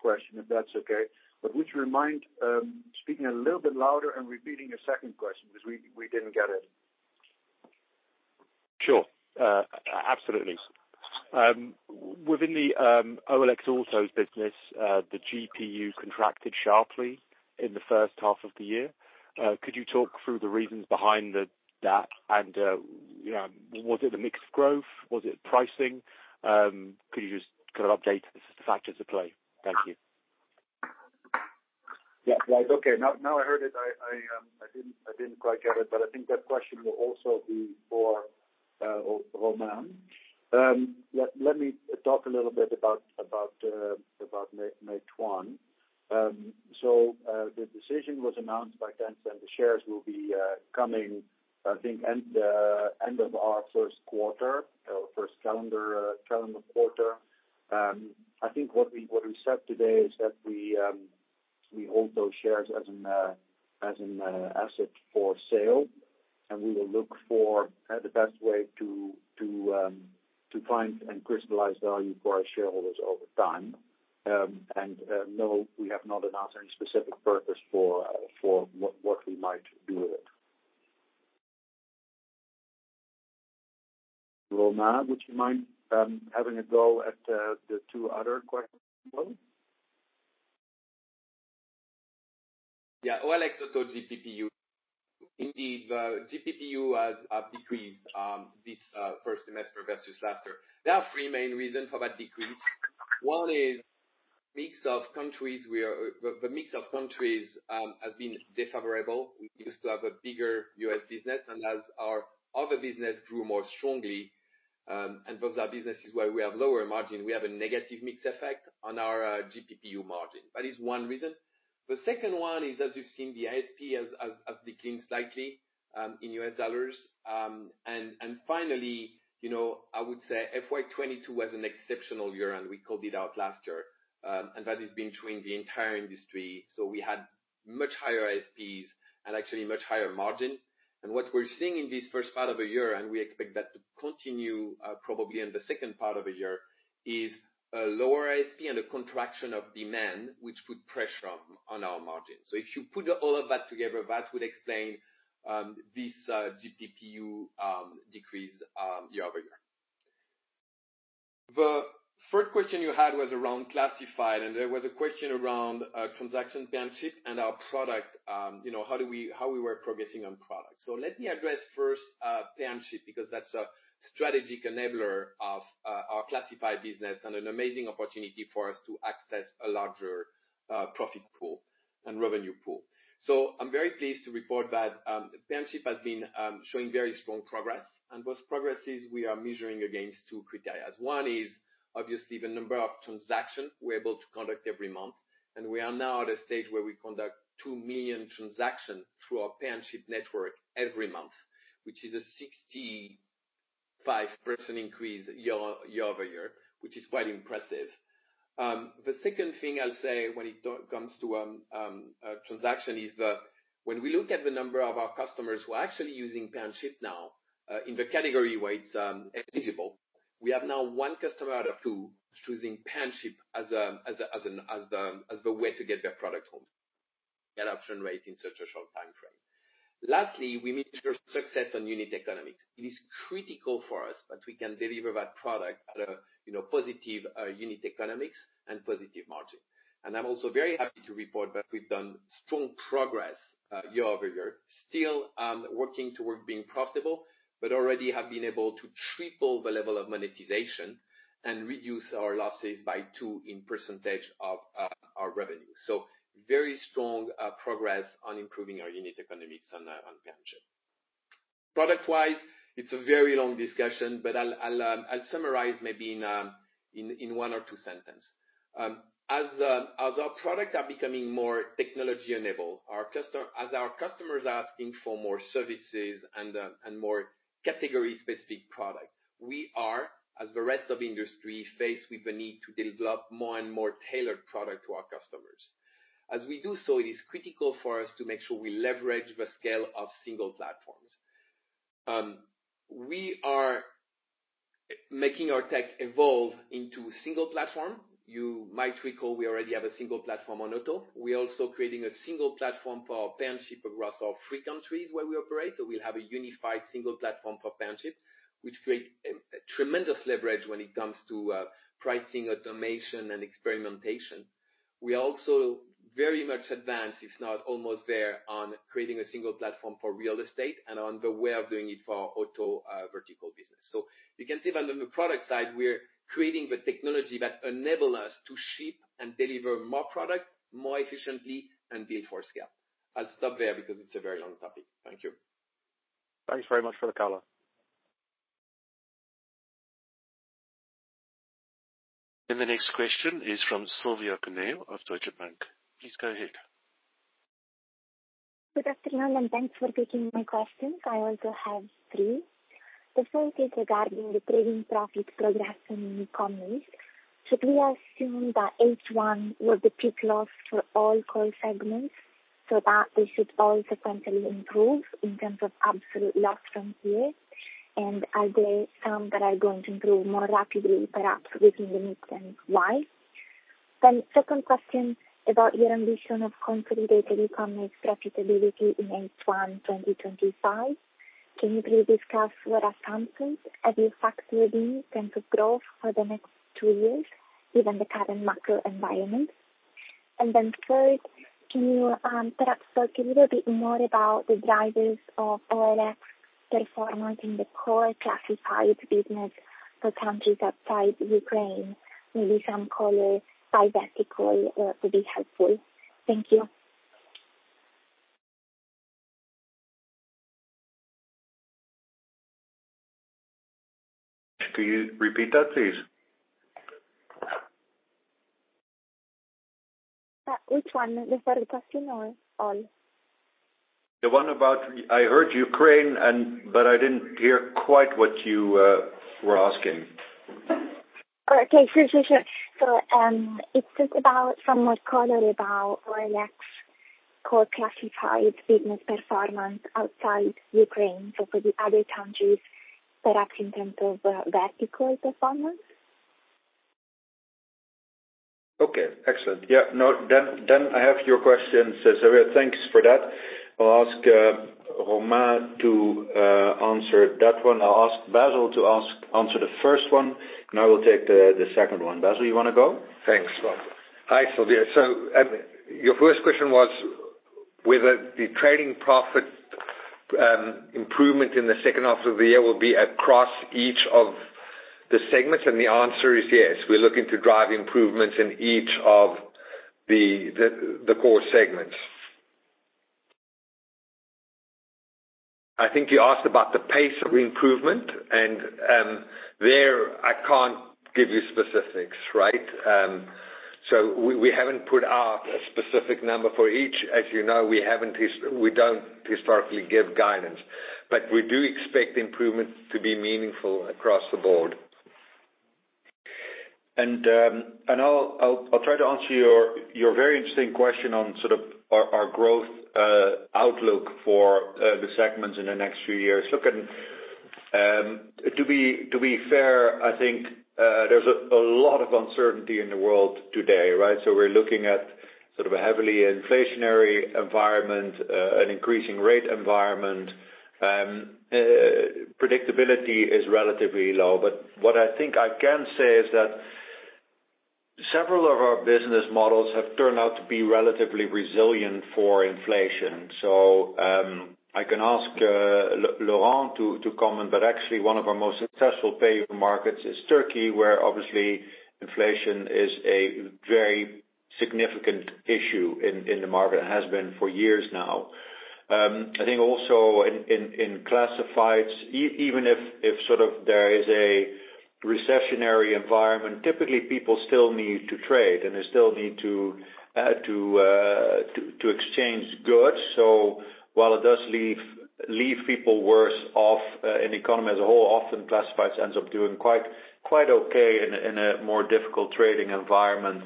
B: question, if that's okay. Would you remind, speaking a little bit louder and repeating your second question because we didn't get it.
E: Sure. Absolutely. Within the OLX Autos business, the GPPU contracted sharply in the first half of the year. Could you talk through the reasons behind that? Was it a mix of growth? Was it pricing? Could you just kind of update the factors at play? Thank you.
B: Yeah. Okay. Now I heard it. I didn't quite get it, I think that question will also be for Romain. Let me talk a little bit about Meituan. The decision was announced by Tencent, the shares will be coming, I think, end of our first quarter or first calendar quarter. I think what we said today is that we hold those shares as an asset for sale, we will look for the best way to find and crystallize value for our shareholders over time. No, we have not announced any specific purpose for what we might do with it. Romain, would you mind having a go at the two other questions?
F: Yeah. OLX or total GPPU. Indeed, GPPU has decreased this first semester versus last year. There are three main reasons for that decrease. One is the mix of countries has been unfavorable. We used to have a bigger U.S. business, as our other business grew more strongly, those are businesses where we have lower margin, we have a negative mix effect on our GPPU margin. That is one reason. The second one is, as you've seen, the ASP has declined slightly in U.S. dollars. Finally, I would say FY 2022 was an exceptional year, we called it out last year. That has been true in the entire industry. We had much higher ASPs and actually much higher margin. What we're seeing in this first part of the year, and we expect that to continue probably in the second part of the year, is a lower ASP and a contraction of demand, which put pressure on our margin. If you put all of that together, that would explain this GPPU decrease year-over-year. The third question you had was around classifieds, and there was a question around transaction Pay and Ship and our products, how we were progressing on products. Let me address first Pay and Ship, because that's a strategic enabler of our classifieds business and an amazing opportunity for us to access a larger profit pool and revenue pool. I'm very pleased to report that Pay and Ship has been showing very strong progress, and those progresses we are measuring against two criteria. One is obviously the number of transactions we're able to conduct every month, and we are now at a stage where we conduct 2 million transactions through our Pay and Ship network every month, which is a 65% increase year-over-year, which is quite impressive. The second thing I'll say when it comes to transaction is that when we look at the number of our customers who are actually using Pay and Ship now in the category where it's eligible, we have now one customer out of two choosing Pay and Ship as the way to get their product home. Adoption rate in such a short time frame. Lastly, we measure success on unit economics. It is critical for us that we can deliver that product at a positive unit economics and positive margin. I'm also very happy to report that we've done strong progress year-over-year. Still working toward being profitable, but already have been able to triple the level of monetization and reduce our losses by two in percentage of our revenue. Very strong progress on improving our unit economics on Pay and Ship. Product-wise, it's a very long discussion, but I'll summarize maybe in one or two sentences. As our products are becoming more technology-enabled, as our customers are asking for more services and more category-specific products, we are, as the rest of industry, faced with the need to develop more and more tailored products to our customers. As we do so, it is critical for us to make sure we leverage the scale of single platforms. We are making our tech evolve into a single platform. You might recall we already have a single platform on OLX Autos. We're also creating a single platform for Pay and Ship across our three countries where we operate. We'll have a unified single platform for Pay and Ship, which create tremendous leverage when it comes to pricing, automation, and experimentation. We also very much advanced, if not almost there, on creating a single platform for real estate and on the way of doing it for our OLX Autos vertical business. You can see that on the products side, we're creating the technology that enable us to ship and deliver more products more efficiently and build for scale. I'll stop there because it's a very long topic. Thank you.
B: Thanks very much for the color.
A: The next question is from Silvia Cuneo of Deutsche Bank. Please go ahead.
G: Good afternoon, and thanks for taking my questions. I also have three. The first is regarding the trading profit progress in New Economy. Should we assume that H1 was the peak loss for all core segments so that they should all sequentially improve in terms of absolute loss from here? Are there some that are going to improve more rapidly, perhaps within the mix and why? Second question about your ambition of consolidated economics profitability in H1 2025. Can you please discuss what are assumed as you factor these kinds of growth for the next two years, given the current macro environment? Third, can you perhaps talk a little bit more about the drivers of OLX Performance in the core classified business for countries outside Ukraine, maybe some color by vertical would be helpful. Thank you.
B: Could you repeat that, please?
G: Which one? The third question or all?
B: The one about I heard Ukraine, but I didn't hear quite what you were asking.
G: Okay. Sure. It's just about some more color about OLX core classified business performance outside Ukraine. For the other countries, perhaps in terms of vertical performance.
C: Okay. Excellent. Yeah. I have your questions, Silvia. Thanks for that. I'll ask Romain to answer that one. I'll ask Basil to answer the first one, and I will take the second one. Basil, you want to go? Thanks, Bob. Hi, Silvia. Your first question was whether the trading profit improvement in the second half of the year will be across each of the segments, and the answer is yes. We're looking to drive improvements in each of the core segments. I think you asked about the pace of improvement and, there, I can't give you specifics, right? We haven't put out a specific number for each. As you know, we don't historically give guidance. We do expect improvements to be meaningful across the board.
B: I'll try to answer your very interesting question on sort of our growth outlook for the segments in the next few years. Look, to be fair, I think there's a lot of uncertainty in the world today, right? We're looking at sort of a heavily inflationary environment, an increasing rate environment. Predictability is relatively low. What I think I can say is that several of our business models have turned out to be relatively resilient for inflation. I can ask Laurent to comment, but actually one of our most successful PayU markets is Turkey, where obviously inflation is a very significant issue in the market and has been for years now. I think also in classifieds, even if there is a recessionary environment, typically people still need to trade and they still need to exchange goods. While it does leave people worse off in the economy as a whole, often classifieds ends up doing quite okay in a more difficult trading environment.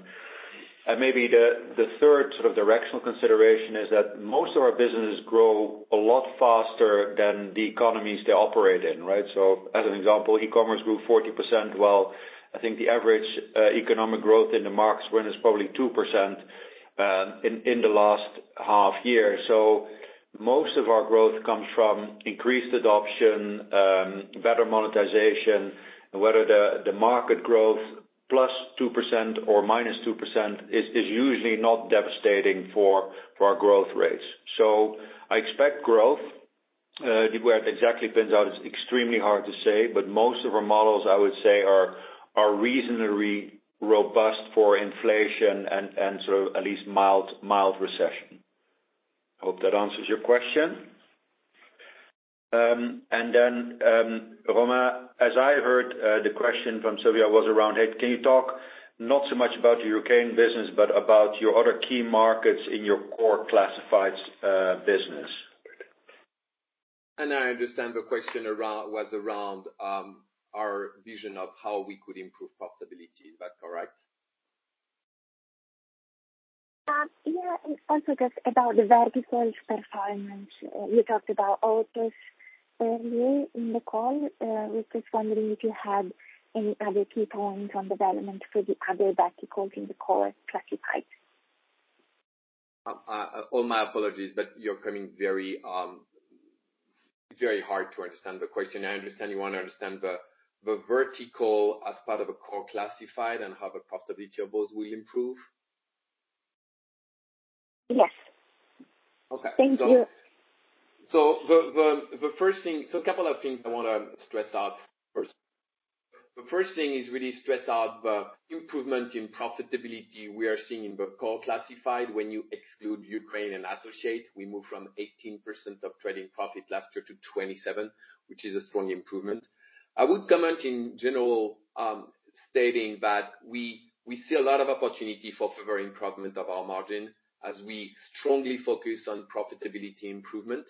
B: Maybe the third sort of directional consideration is that most of our businesses grow a lot faster than the economies they operate in, right? As an example, e-commerce grew 40%, while I think the average economic growth in the markets when it's probably 2% in the last half year. Most of our growth comes from increased adoption, better monetization, and whether the market growth plus 2% or minus 2% is usually not devastating for our growth rates. I expect growth. Where it exactly pans out is extremely hard to say, but most of our models, I would say, are reasonably robust for inflation and sort of at least mild recession. Hope that answers your question. Romain, as I heard, the question from Silvia was around, "Hey, can you talk not so much about the Ukraine business, but about your other key markets in your core classifieds business.
F: I understand the question was around our vision of how we could improve profitability. Is that correct?
G: Yeah. Also just about the vertical performance. You talked about autos earlier in the call. I was just wondering if you had any other key points on development for the other verticals in the core classifieds.
F: All my apologies. It's very hard to understand the question. I understand you want to understand the vertical as part of a core classifieds and how the profitability of both will improve.
G: Yes.
F: Okay.
G: Thank you.
F: A couple of things I want to stress out first. The first thing is really stress out the improvement in profitability we are seeing in the core classifieds. When you exclude Ukraine and Avito, we move from 18% of trading profit last year to 27%, which is a strong improvement. I would comment in general, stating that we see a lot of opportunity for further improvement of our margin as we strongly focus on profitability improvement,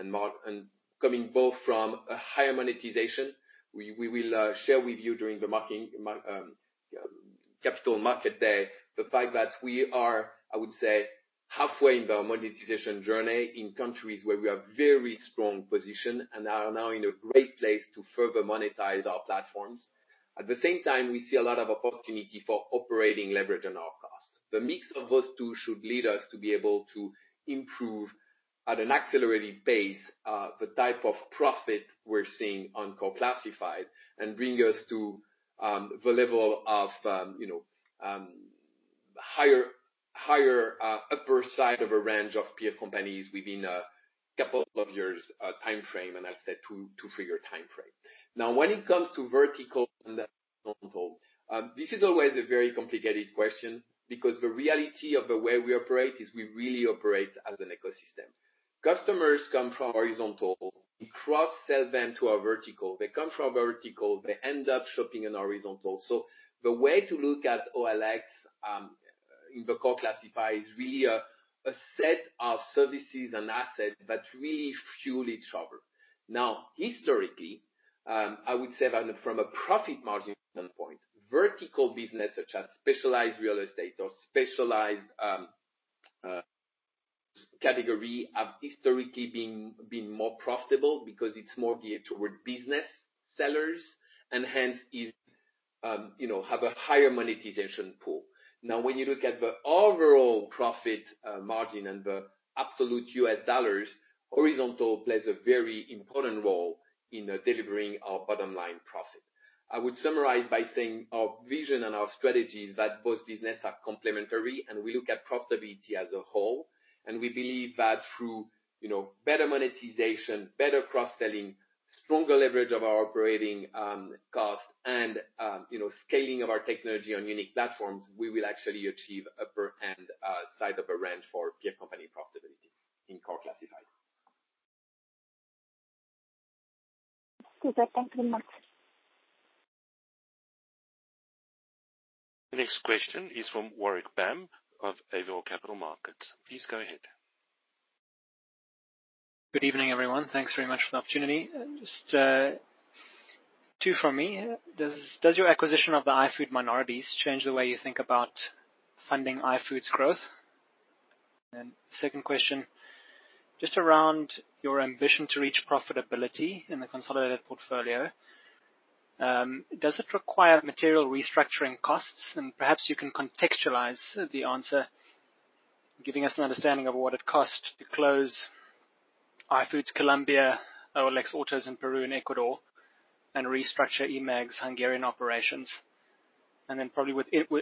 F: and coming both from a higher monetization. We will share with you during the Capital Markets Day the fact that we are, I would say, halfway in the monetization journey in countries where we have very strong position and are now in a great place to further monetize our platforms. At the same time, we see a lot of opportunity for operating leverage on our cost. The mix of those two should lead us to be able to improve, at an accelerated pace, the type of profit we're seeing on core classifieds and bring us to the level of Higher upper side of a range of peer companies within a couple of years timeframe, I said 2-figure timeframe. When it comes to vertical and horizontal, this is always a very complicated question because the reality of the way we operate is we really operate as an ecosystem. Customers come from horizontal, we cross-sell them to our vertical. They come from vertical, they end up shopping in horizontal. The way to look at OLX in the core classifieds is really a set of services and assets that really fuel each other. Historically, I would say that from a profit margin standpoint, vertical business such as specialized real estate or specialized category have historically been more profitable because it's more geared toward business sellers and hence have a higher monetization pool. When you look at the overall profit margin and the absolute US dollars, horizontal plays a very important role in delivering our bottom line profit. I would summarize by saying our vision and our strategy is that both businesses are complementary, and we look at profitability as a whole. We believe that through better monetization, better cross-selling, stronger leverage of our operating cost and scaling of our technology on unique platforms, we will actually achieve upper end side of a range for peer company profitability in core classifieds.
G: Super. Thank you very much.
A: The next question is from Warwick Bam of Avior Capital Markets. Please go ahead.
H: Good evening, everyone. Thanks very much for the opportunity. Just two from me. Does your acquisition of the iFood minorities change the way you think about funding iFood's growth? Second question, just around your ambition to reach profitability in the consolidated portfolio, does it require material restructuring costs? Perhaps you can contextualize the answer, giving us an understanding of what it costs to close iFood Colombia, OLX Autos in Peru and Ecuador, and restructure eMAG's Hungarian operations. Then probably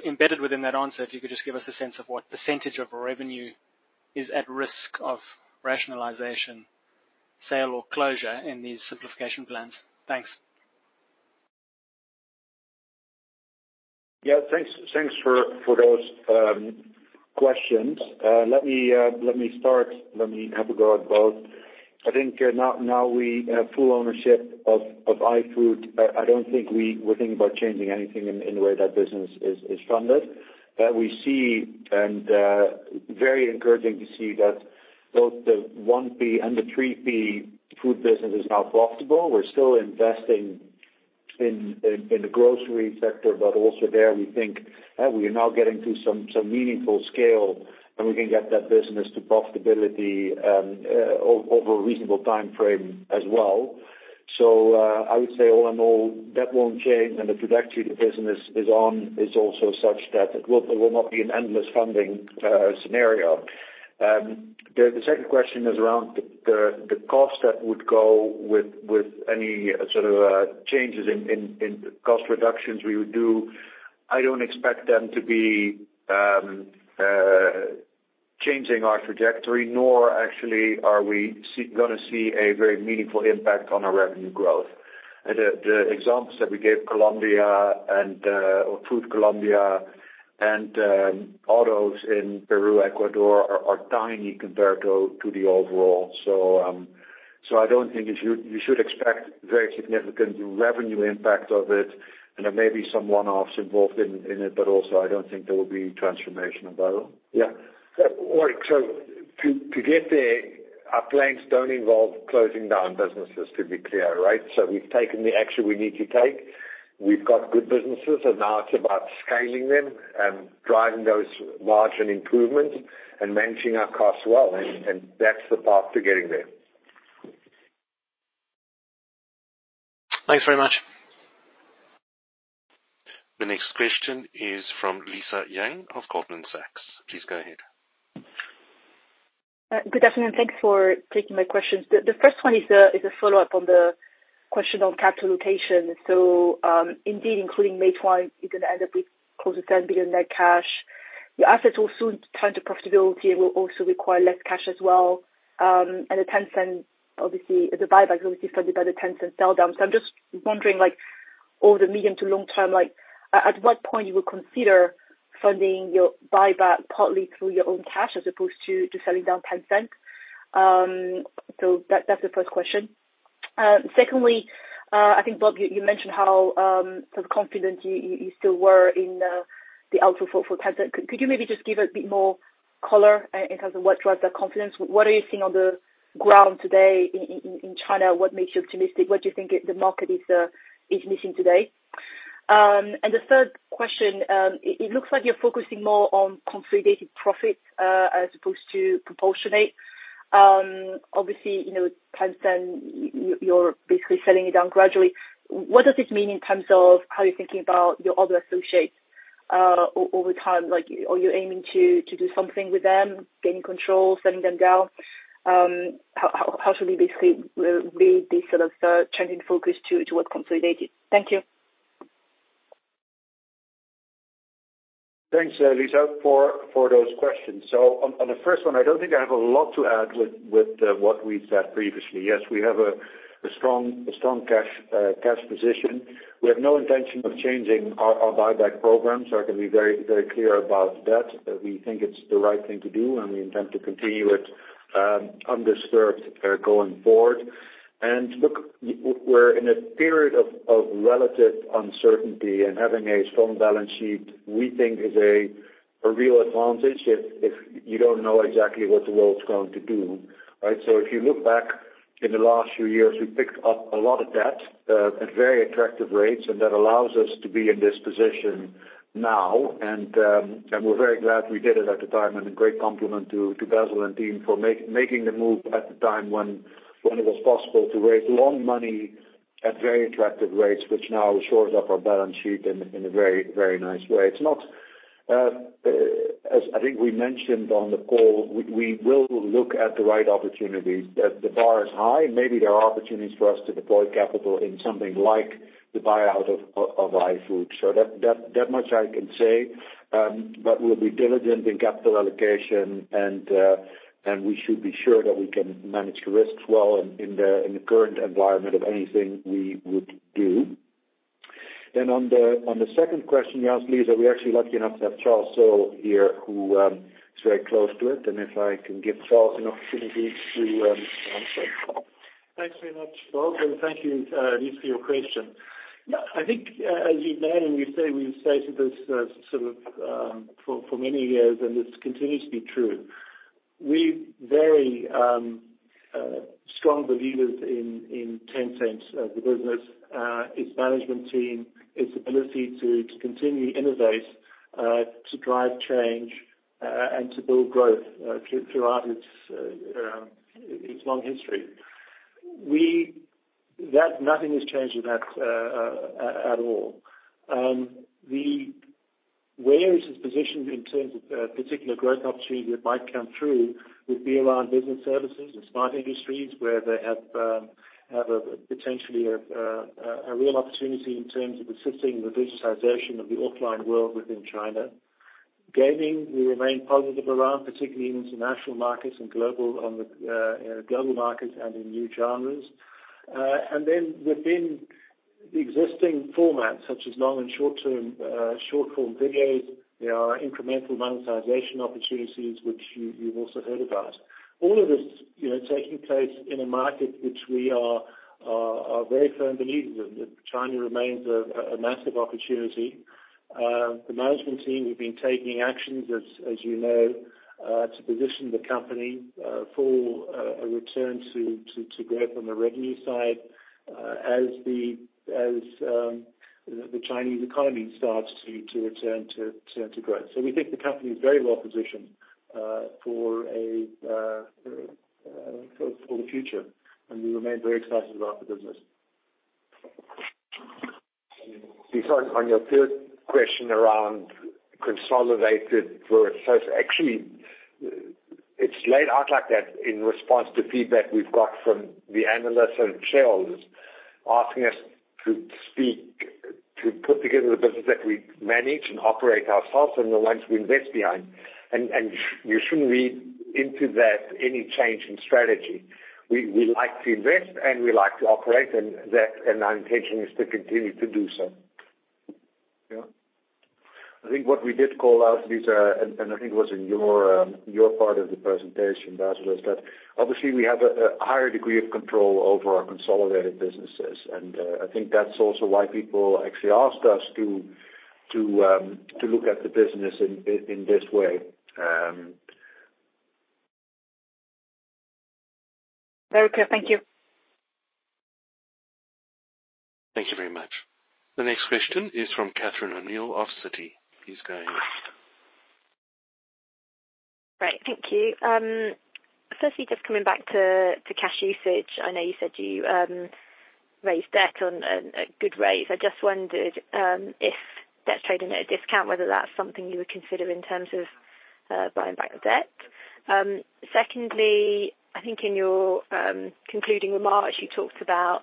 H: embedded within that answer, if you could just give us a sense of what percentage of revenue is at risk of rationalization, sale, or closure in these simplification plans. Thanks.
B: Yeah. Thanks for those questions. Let me have a go at both. I think now we have full ownership of iFood. I don't think we were thinking about changing anything in the way that business is funded. Very encouraging to see that both the 1P and the 3P food business is now profitable. We're still investing in the grocery sector, but also there, we think that we are now getting to some meaningful scale, and we can get that business to profitability over a reasonable timeframe as well. I would say all in all, that won't change. The trajectory the business is on is also such that it will not be an endless funding scenario. The second question is around the cost that would go with any sort of changes in cost reductions we would do. I don't expect them to be changing our trajectory, nor actually are we going to see a very meaningful impact on our revenue growth. The examples that we gave, iFood Colombia and Autos in Peru, Ecuador, are tiny compared to the overall. I don't think you should expect very significant revenue impact of it. There may be some one-offs involved in it, but also I don't think there will be transformational, though.
C: To get there, our plans do not involve closing down businesses, to be clear, right? We have taken the action we need to take. We have got good businesses, and now it is about scaling them and driving those margin improvements and managing our costs well, and that is the path to getting there.
H: Thanks very much.
A: The next question is from Lisa Yang of Goldman Sachs. Please go ahead.
I: Good afternoon. Thanks for taking my questions. The first one is a follow-up on the question on capital allocation. Indeed, including Meituan, you are going to end up with close to $10 billion net cash. Your assets will soon turn to profitability and will also require less cash as well. The Tencent, obviously, the buyback is obviously funded by the Tencent sell down. I am just wondering, over the medium to long term, at what point you will consider funding your buyback partly through your own cash as opposed to selling down Tencent? That is the first question. Secondly, I think, Bob, you mentioned how sort of confident you still were in the outlook for Tencent. Could you maybe just give a bit more color in terms of what drives that confidence? What are you seeing on the ground today in China? What makes you optimistic? What do you think the market is missing today? The third question, it looks like you're focusing more on consolidated profits as opposed to proportionate. Obviously, Tencent, you're basically selling it down gradually. What does this mean in terms of how you're thinking about your other associates over time? Are you aiming to do something with them, gain control, selling them down? How should we basically read this sort of changing focus to what consolidated? Thank you.
B: Thanks, Lisa, for those questions. On the first one, I don't think I have a lot to add with what we said previously. Yes, we have a strong cash position. We have no intention of changing our buyback program, so I can be very clear about that. We think it's the right thing to do, and we intend to continue it undisturbed going forward. Look, we're in a period of relative uncertainty, and having a strong balance sheet, we think is a real advantage if you don't know exactly what the world's going to do. Right? If you look back in the last few years, we've picked up a lot of debt at very attractive rates, and that allows us to be in this position now. We're very glad we did it at the time, and a great compliment to Basil and team for making the move at the time when it was possible to raise long money at very attractive rates, which now shores up our balance sheet in a very nice way. As I think we mentioned on the call, we will look at the right opportunities. The bar is high. Maybe there are opportunities for us to deploy capital in something like the buyout of iFood. That much I can say, but we'll be diligent in capital allocation, and we should be sure that we can manage the risks well in the current environment of anything we would do. On the second question you asked, Lisa, we're actually lucky enough to have Charles Searle here, who is very close to it. If I can give Charles an opportunity to answer.
J: Thanks very much, Bob, and thank you, Lisa, for your question. I think as you know, and we say we've stated this sort of for many years, and this continues to be true. We're very strong believers in Tencent as a business, its management team, its ability to continue to innovate, to drive change, and to build growth throughout its long history. Nothing has changed with that at all. Where is this positioned in terms of particular growth opportunity that might come through would be around business services and smart industries, where they have potentially a real opportunity in terms of assisting the digitization of the offline world within China. Gaming, we remain positive around, particularly in international markets and global markets and in new genres. Within the existing formats, such as long and short-term, short-form videos, there are incremental monetization opportunities, which you've also heard about. All of this is taking place in a market which we are very firm believers in, that China remains a massive opportunity. The management team, we've been taking actions, as you know, to position the company for a return to growth on the revenue side as the Chinese economy starts to return to growth. We think the company is very well positioned for the future, and we remain very excited about the business.
B: Lisa, on your third question around consolidated. Actually, it's laid out like that in response to feedback we've got from the analysts and shareholders asking us to put together the business that we manage and operate ourselves and the ones we invest behind. You shouldn't read into that any change in strategy. We like to invest, and we like to operate, and our intention is to continue to do so. Yeah. I think what we did call out, Lisa, and I think it was in your part of the presentation, Basil, is that obviously we have a higher degree of control over our consolidated businesses. That's also why people actually asked us to look at the business in this way.
I: Very clear. Thank you.
A: Thank you very much. The next question is from Catherine O'Neill of Citi. Please go ahead.
K: Right. Thank you. Firstly, just coming back to cash usage. I know you said you raised debt at good rates. I just wondered if that's trading at a discount, whether that's something you would consider in terms of buying back the debt. Secondly, I think in your concluding remarks, you talked about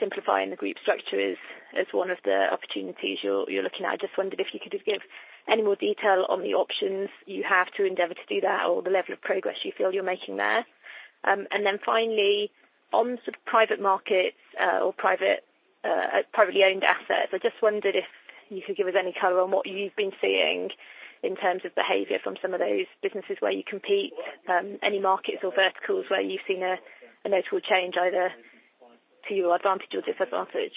K: simplifying the group structure as one of the opportunities you're looking at. I just wondered if you could just give any more detail on the options you have to endeavor to do that or the level of progress you feel you're making there. Then finally, on sort of private markets or privately owned assets, I just wondered if you could give us any color on what you've been seeing in terms of behavior from some of those businesses where you compete, any markets or verticals where you've seen a notable change, either to your advantage or disadvantage.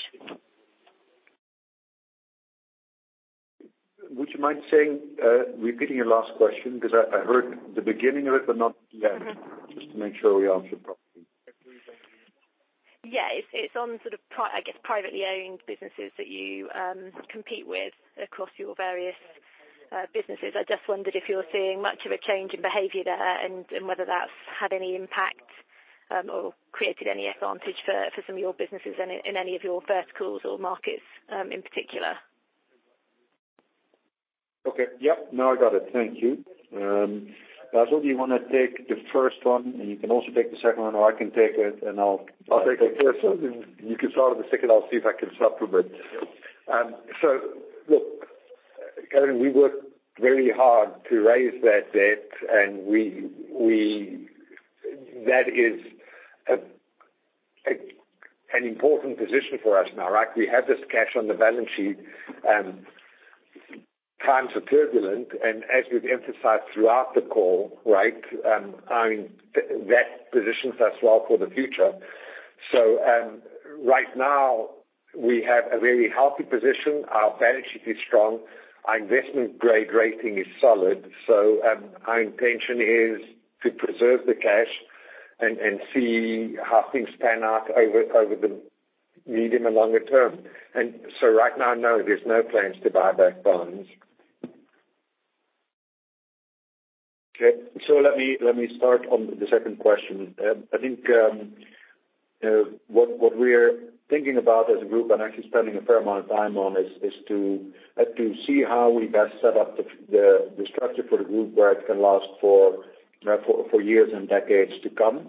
B: Would you mind repeating your last question? I heard the beginning of it, but not the end. Just to make sure we answer properly.
K: Yeah. It's on sort of, I guess, privately owned businesses that you compete with across your various businesses. I just wondered if you're seeing much of a change in behavior there and whether that's had any impact or created any advantage for some of your businesses in any of your verticals or markets in particular.
B: Okay. Yep. Now I got it. Thank you. Basil, do you want to take the first one? You can also take the second one, or I can take it.
C: I'll take the first one. You can start with the second, I'll see if I can supplement. Look, Carolyn, we worked very hard to raise that debt, that is an important position for us now, right? We have this cash on the balance sheet, times are turbulent, as we've emphasized throughout the call, right, that positions us well for the future. Right now we have a very healthy position. Our balance sheet is strong. Our investment grade rating is solid. Our intention is to preserve the cash and see how things pan out over the medium and longer term. Right now, no, there's no plans to buy back bonds.
B: Okay. Let me start on the second question. I think what we're thinking about as a group and actually spending a fair amount of time on is to see how we best set up the structure for the group where it can last for years and decades to come.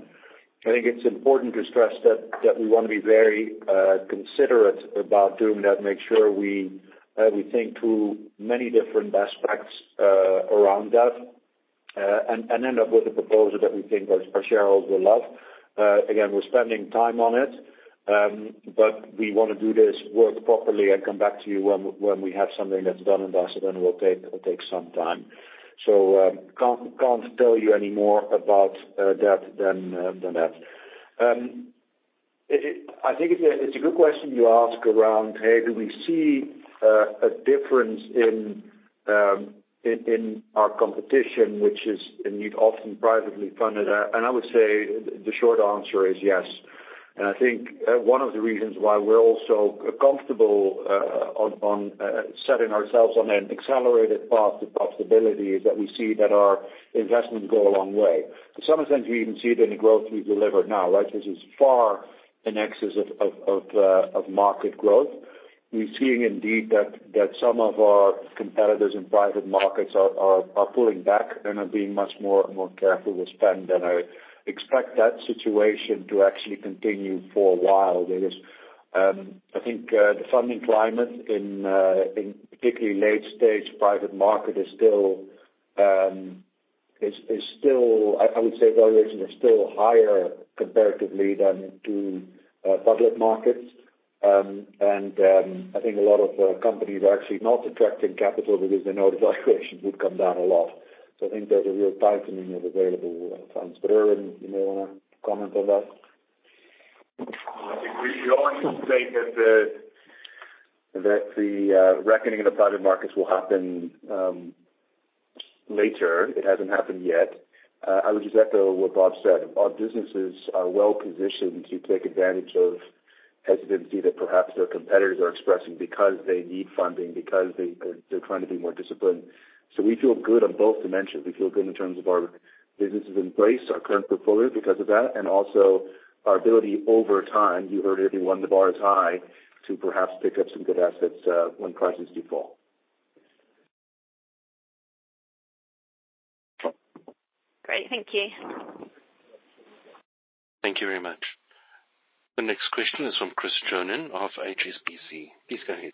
B: I think it's important to stress that, we want to be very considerate about doing that, make sure we think through many different aspects around that, end up with a proposal that we think our shareholders will love. Again, we're spending time on it, we want to do this work properly and come back to you when we have something that's done and dusted, it will take some time. Can't tell you any more about that than that. I think it's a good question you ask around, Hey, do we see a difference in our competition, which is indeed often privately funded. I would say the short answer is yes. I think one of the reasons why we're all so comfortable on setting ourselves on an accelerated path to profitability is that we see that our investments go a long way. To some extent, we even see it in the growth we've delivered now, right? This is far in excess of market growth. We're seeing indeed that some of our competitors in private markets are pulling back and are being much more careful with spend than I expect that situation to actually continue for a while. I think, the funding climate in particularly late stage private market is still, I would say valuations are still higher comparatively than to public markets. I think a lot of companies are actually not attracting capital because they know the valuations would come down a lot. I think there's a real tightening of available funds. Ervin, you may want to comment on that.
L: I think we always say that the reckoning in the private markets will happen later. It hasn't happened yet. I would just echo what Bob said. Our businesses are well-positioned to take advantage of hesitancy that perhaps their competitors are expressing because they need funding, because they're trying to be more disciplined. We feel good on both dimensions. We feel good in terms of our businesses embrace our current portfolio because of that, and also our ability over time, you heard everyone, the bar is high, to perhaps pick up some good assets when prices do fall.
K: Great. Thank you.
A: Thank you very much. The next question is from Chris Jones of HSBC. Please go ahead.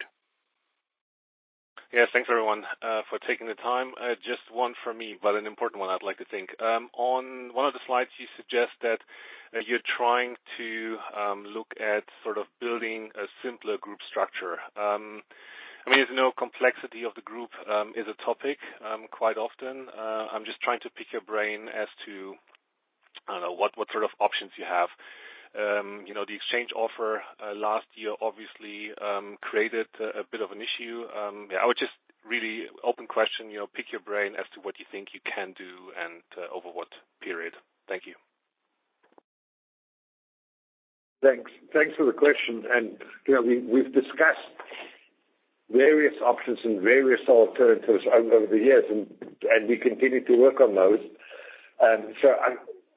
M: Thanks everyone for taking the time. Just one for me, but an important one I'd like to think. On one of the slides, you suggest that you're trying to look at building a simpler group structure. There's no complexity of the group is a topic quite often. I'm just trying to pick your brain as to what sort of options you have. The exchange offer last year obviously created a bit of an issue. I would just really open question, pick your brain as to what you think you can do and over what period. Thank you.
C: Thanks for the question. We've discussed various options and various alternatives over the years, and we continue to work on those.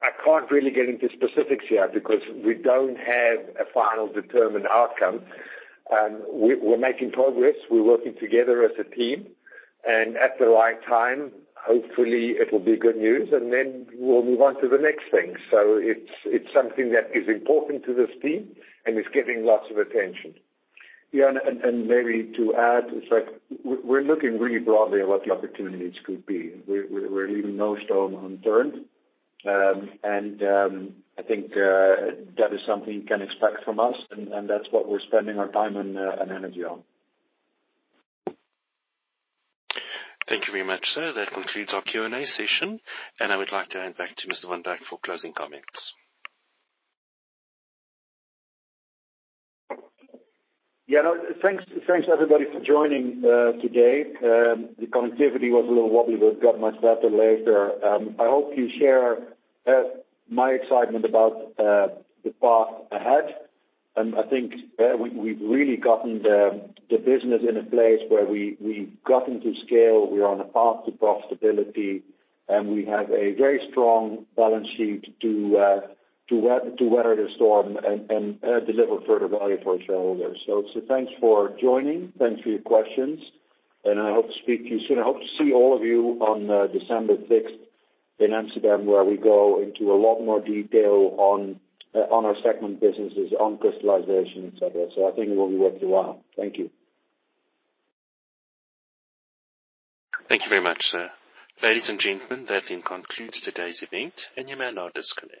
C: I can't really get into specifics yet because we don't have a final determined outcome. We're making progress. We're working together as a team, and at the right time, hopefully, it'll be good news, and then we'll move on to the next thing. It's something that is important to this team, and it's getting lots of attention.
B: Maybe to add, it's like we're looking really broadly at what the opportunities could be. We're leaving no stone unturned. I think that is something you can expect from us, and that's what we're spending our time and energy on.
A: Thank you very much, sir. That concludes our Q&A session, and I would like to hand back to Mr. van Dijk for closing comments.
B: Yeah. Thanks everybody for joining today. The connectivity was a little wobbly, but got much better later. I hope you share my excitement about the path ahead. I think we've really gotten the business in a place where we've gotten to scale, we're on a path to profitability, and we have a very strong balance sheet to weather the storm and deliver further value for our shareholders. Thanks for joining. Thanks for your questions, and I hope to speak to you soon. I hope to see all of you on December 6th in Amsterdam where we go into a lot more detail on our segment businesses, on crystallization, et cetera. I think it will be worth your while. Thank you.
A: Thank you very much, sir. Ladies and gentlemen, that concludes today's event. You may now disconnect.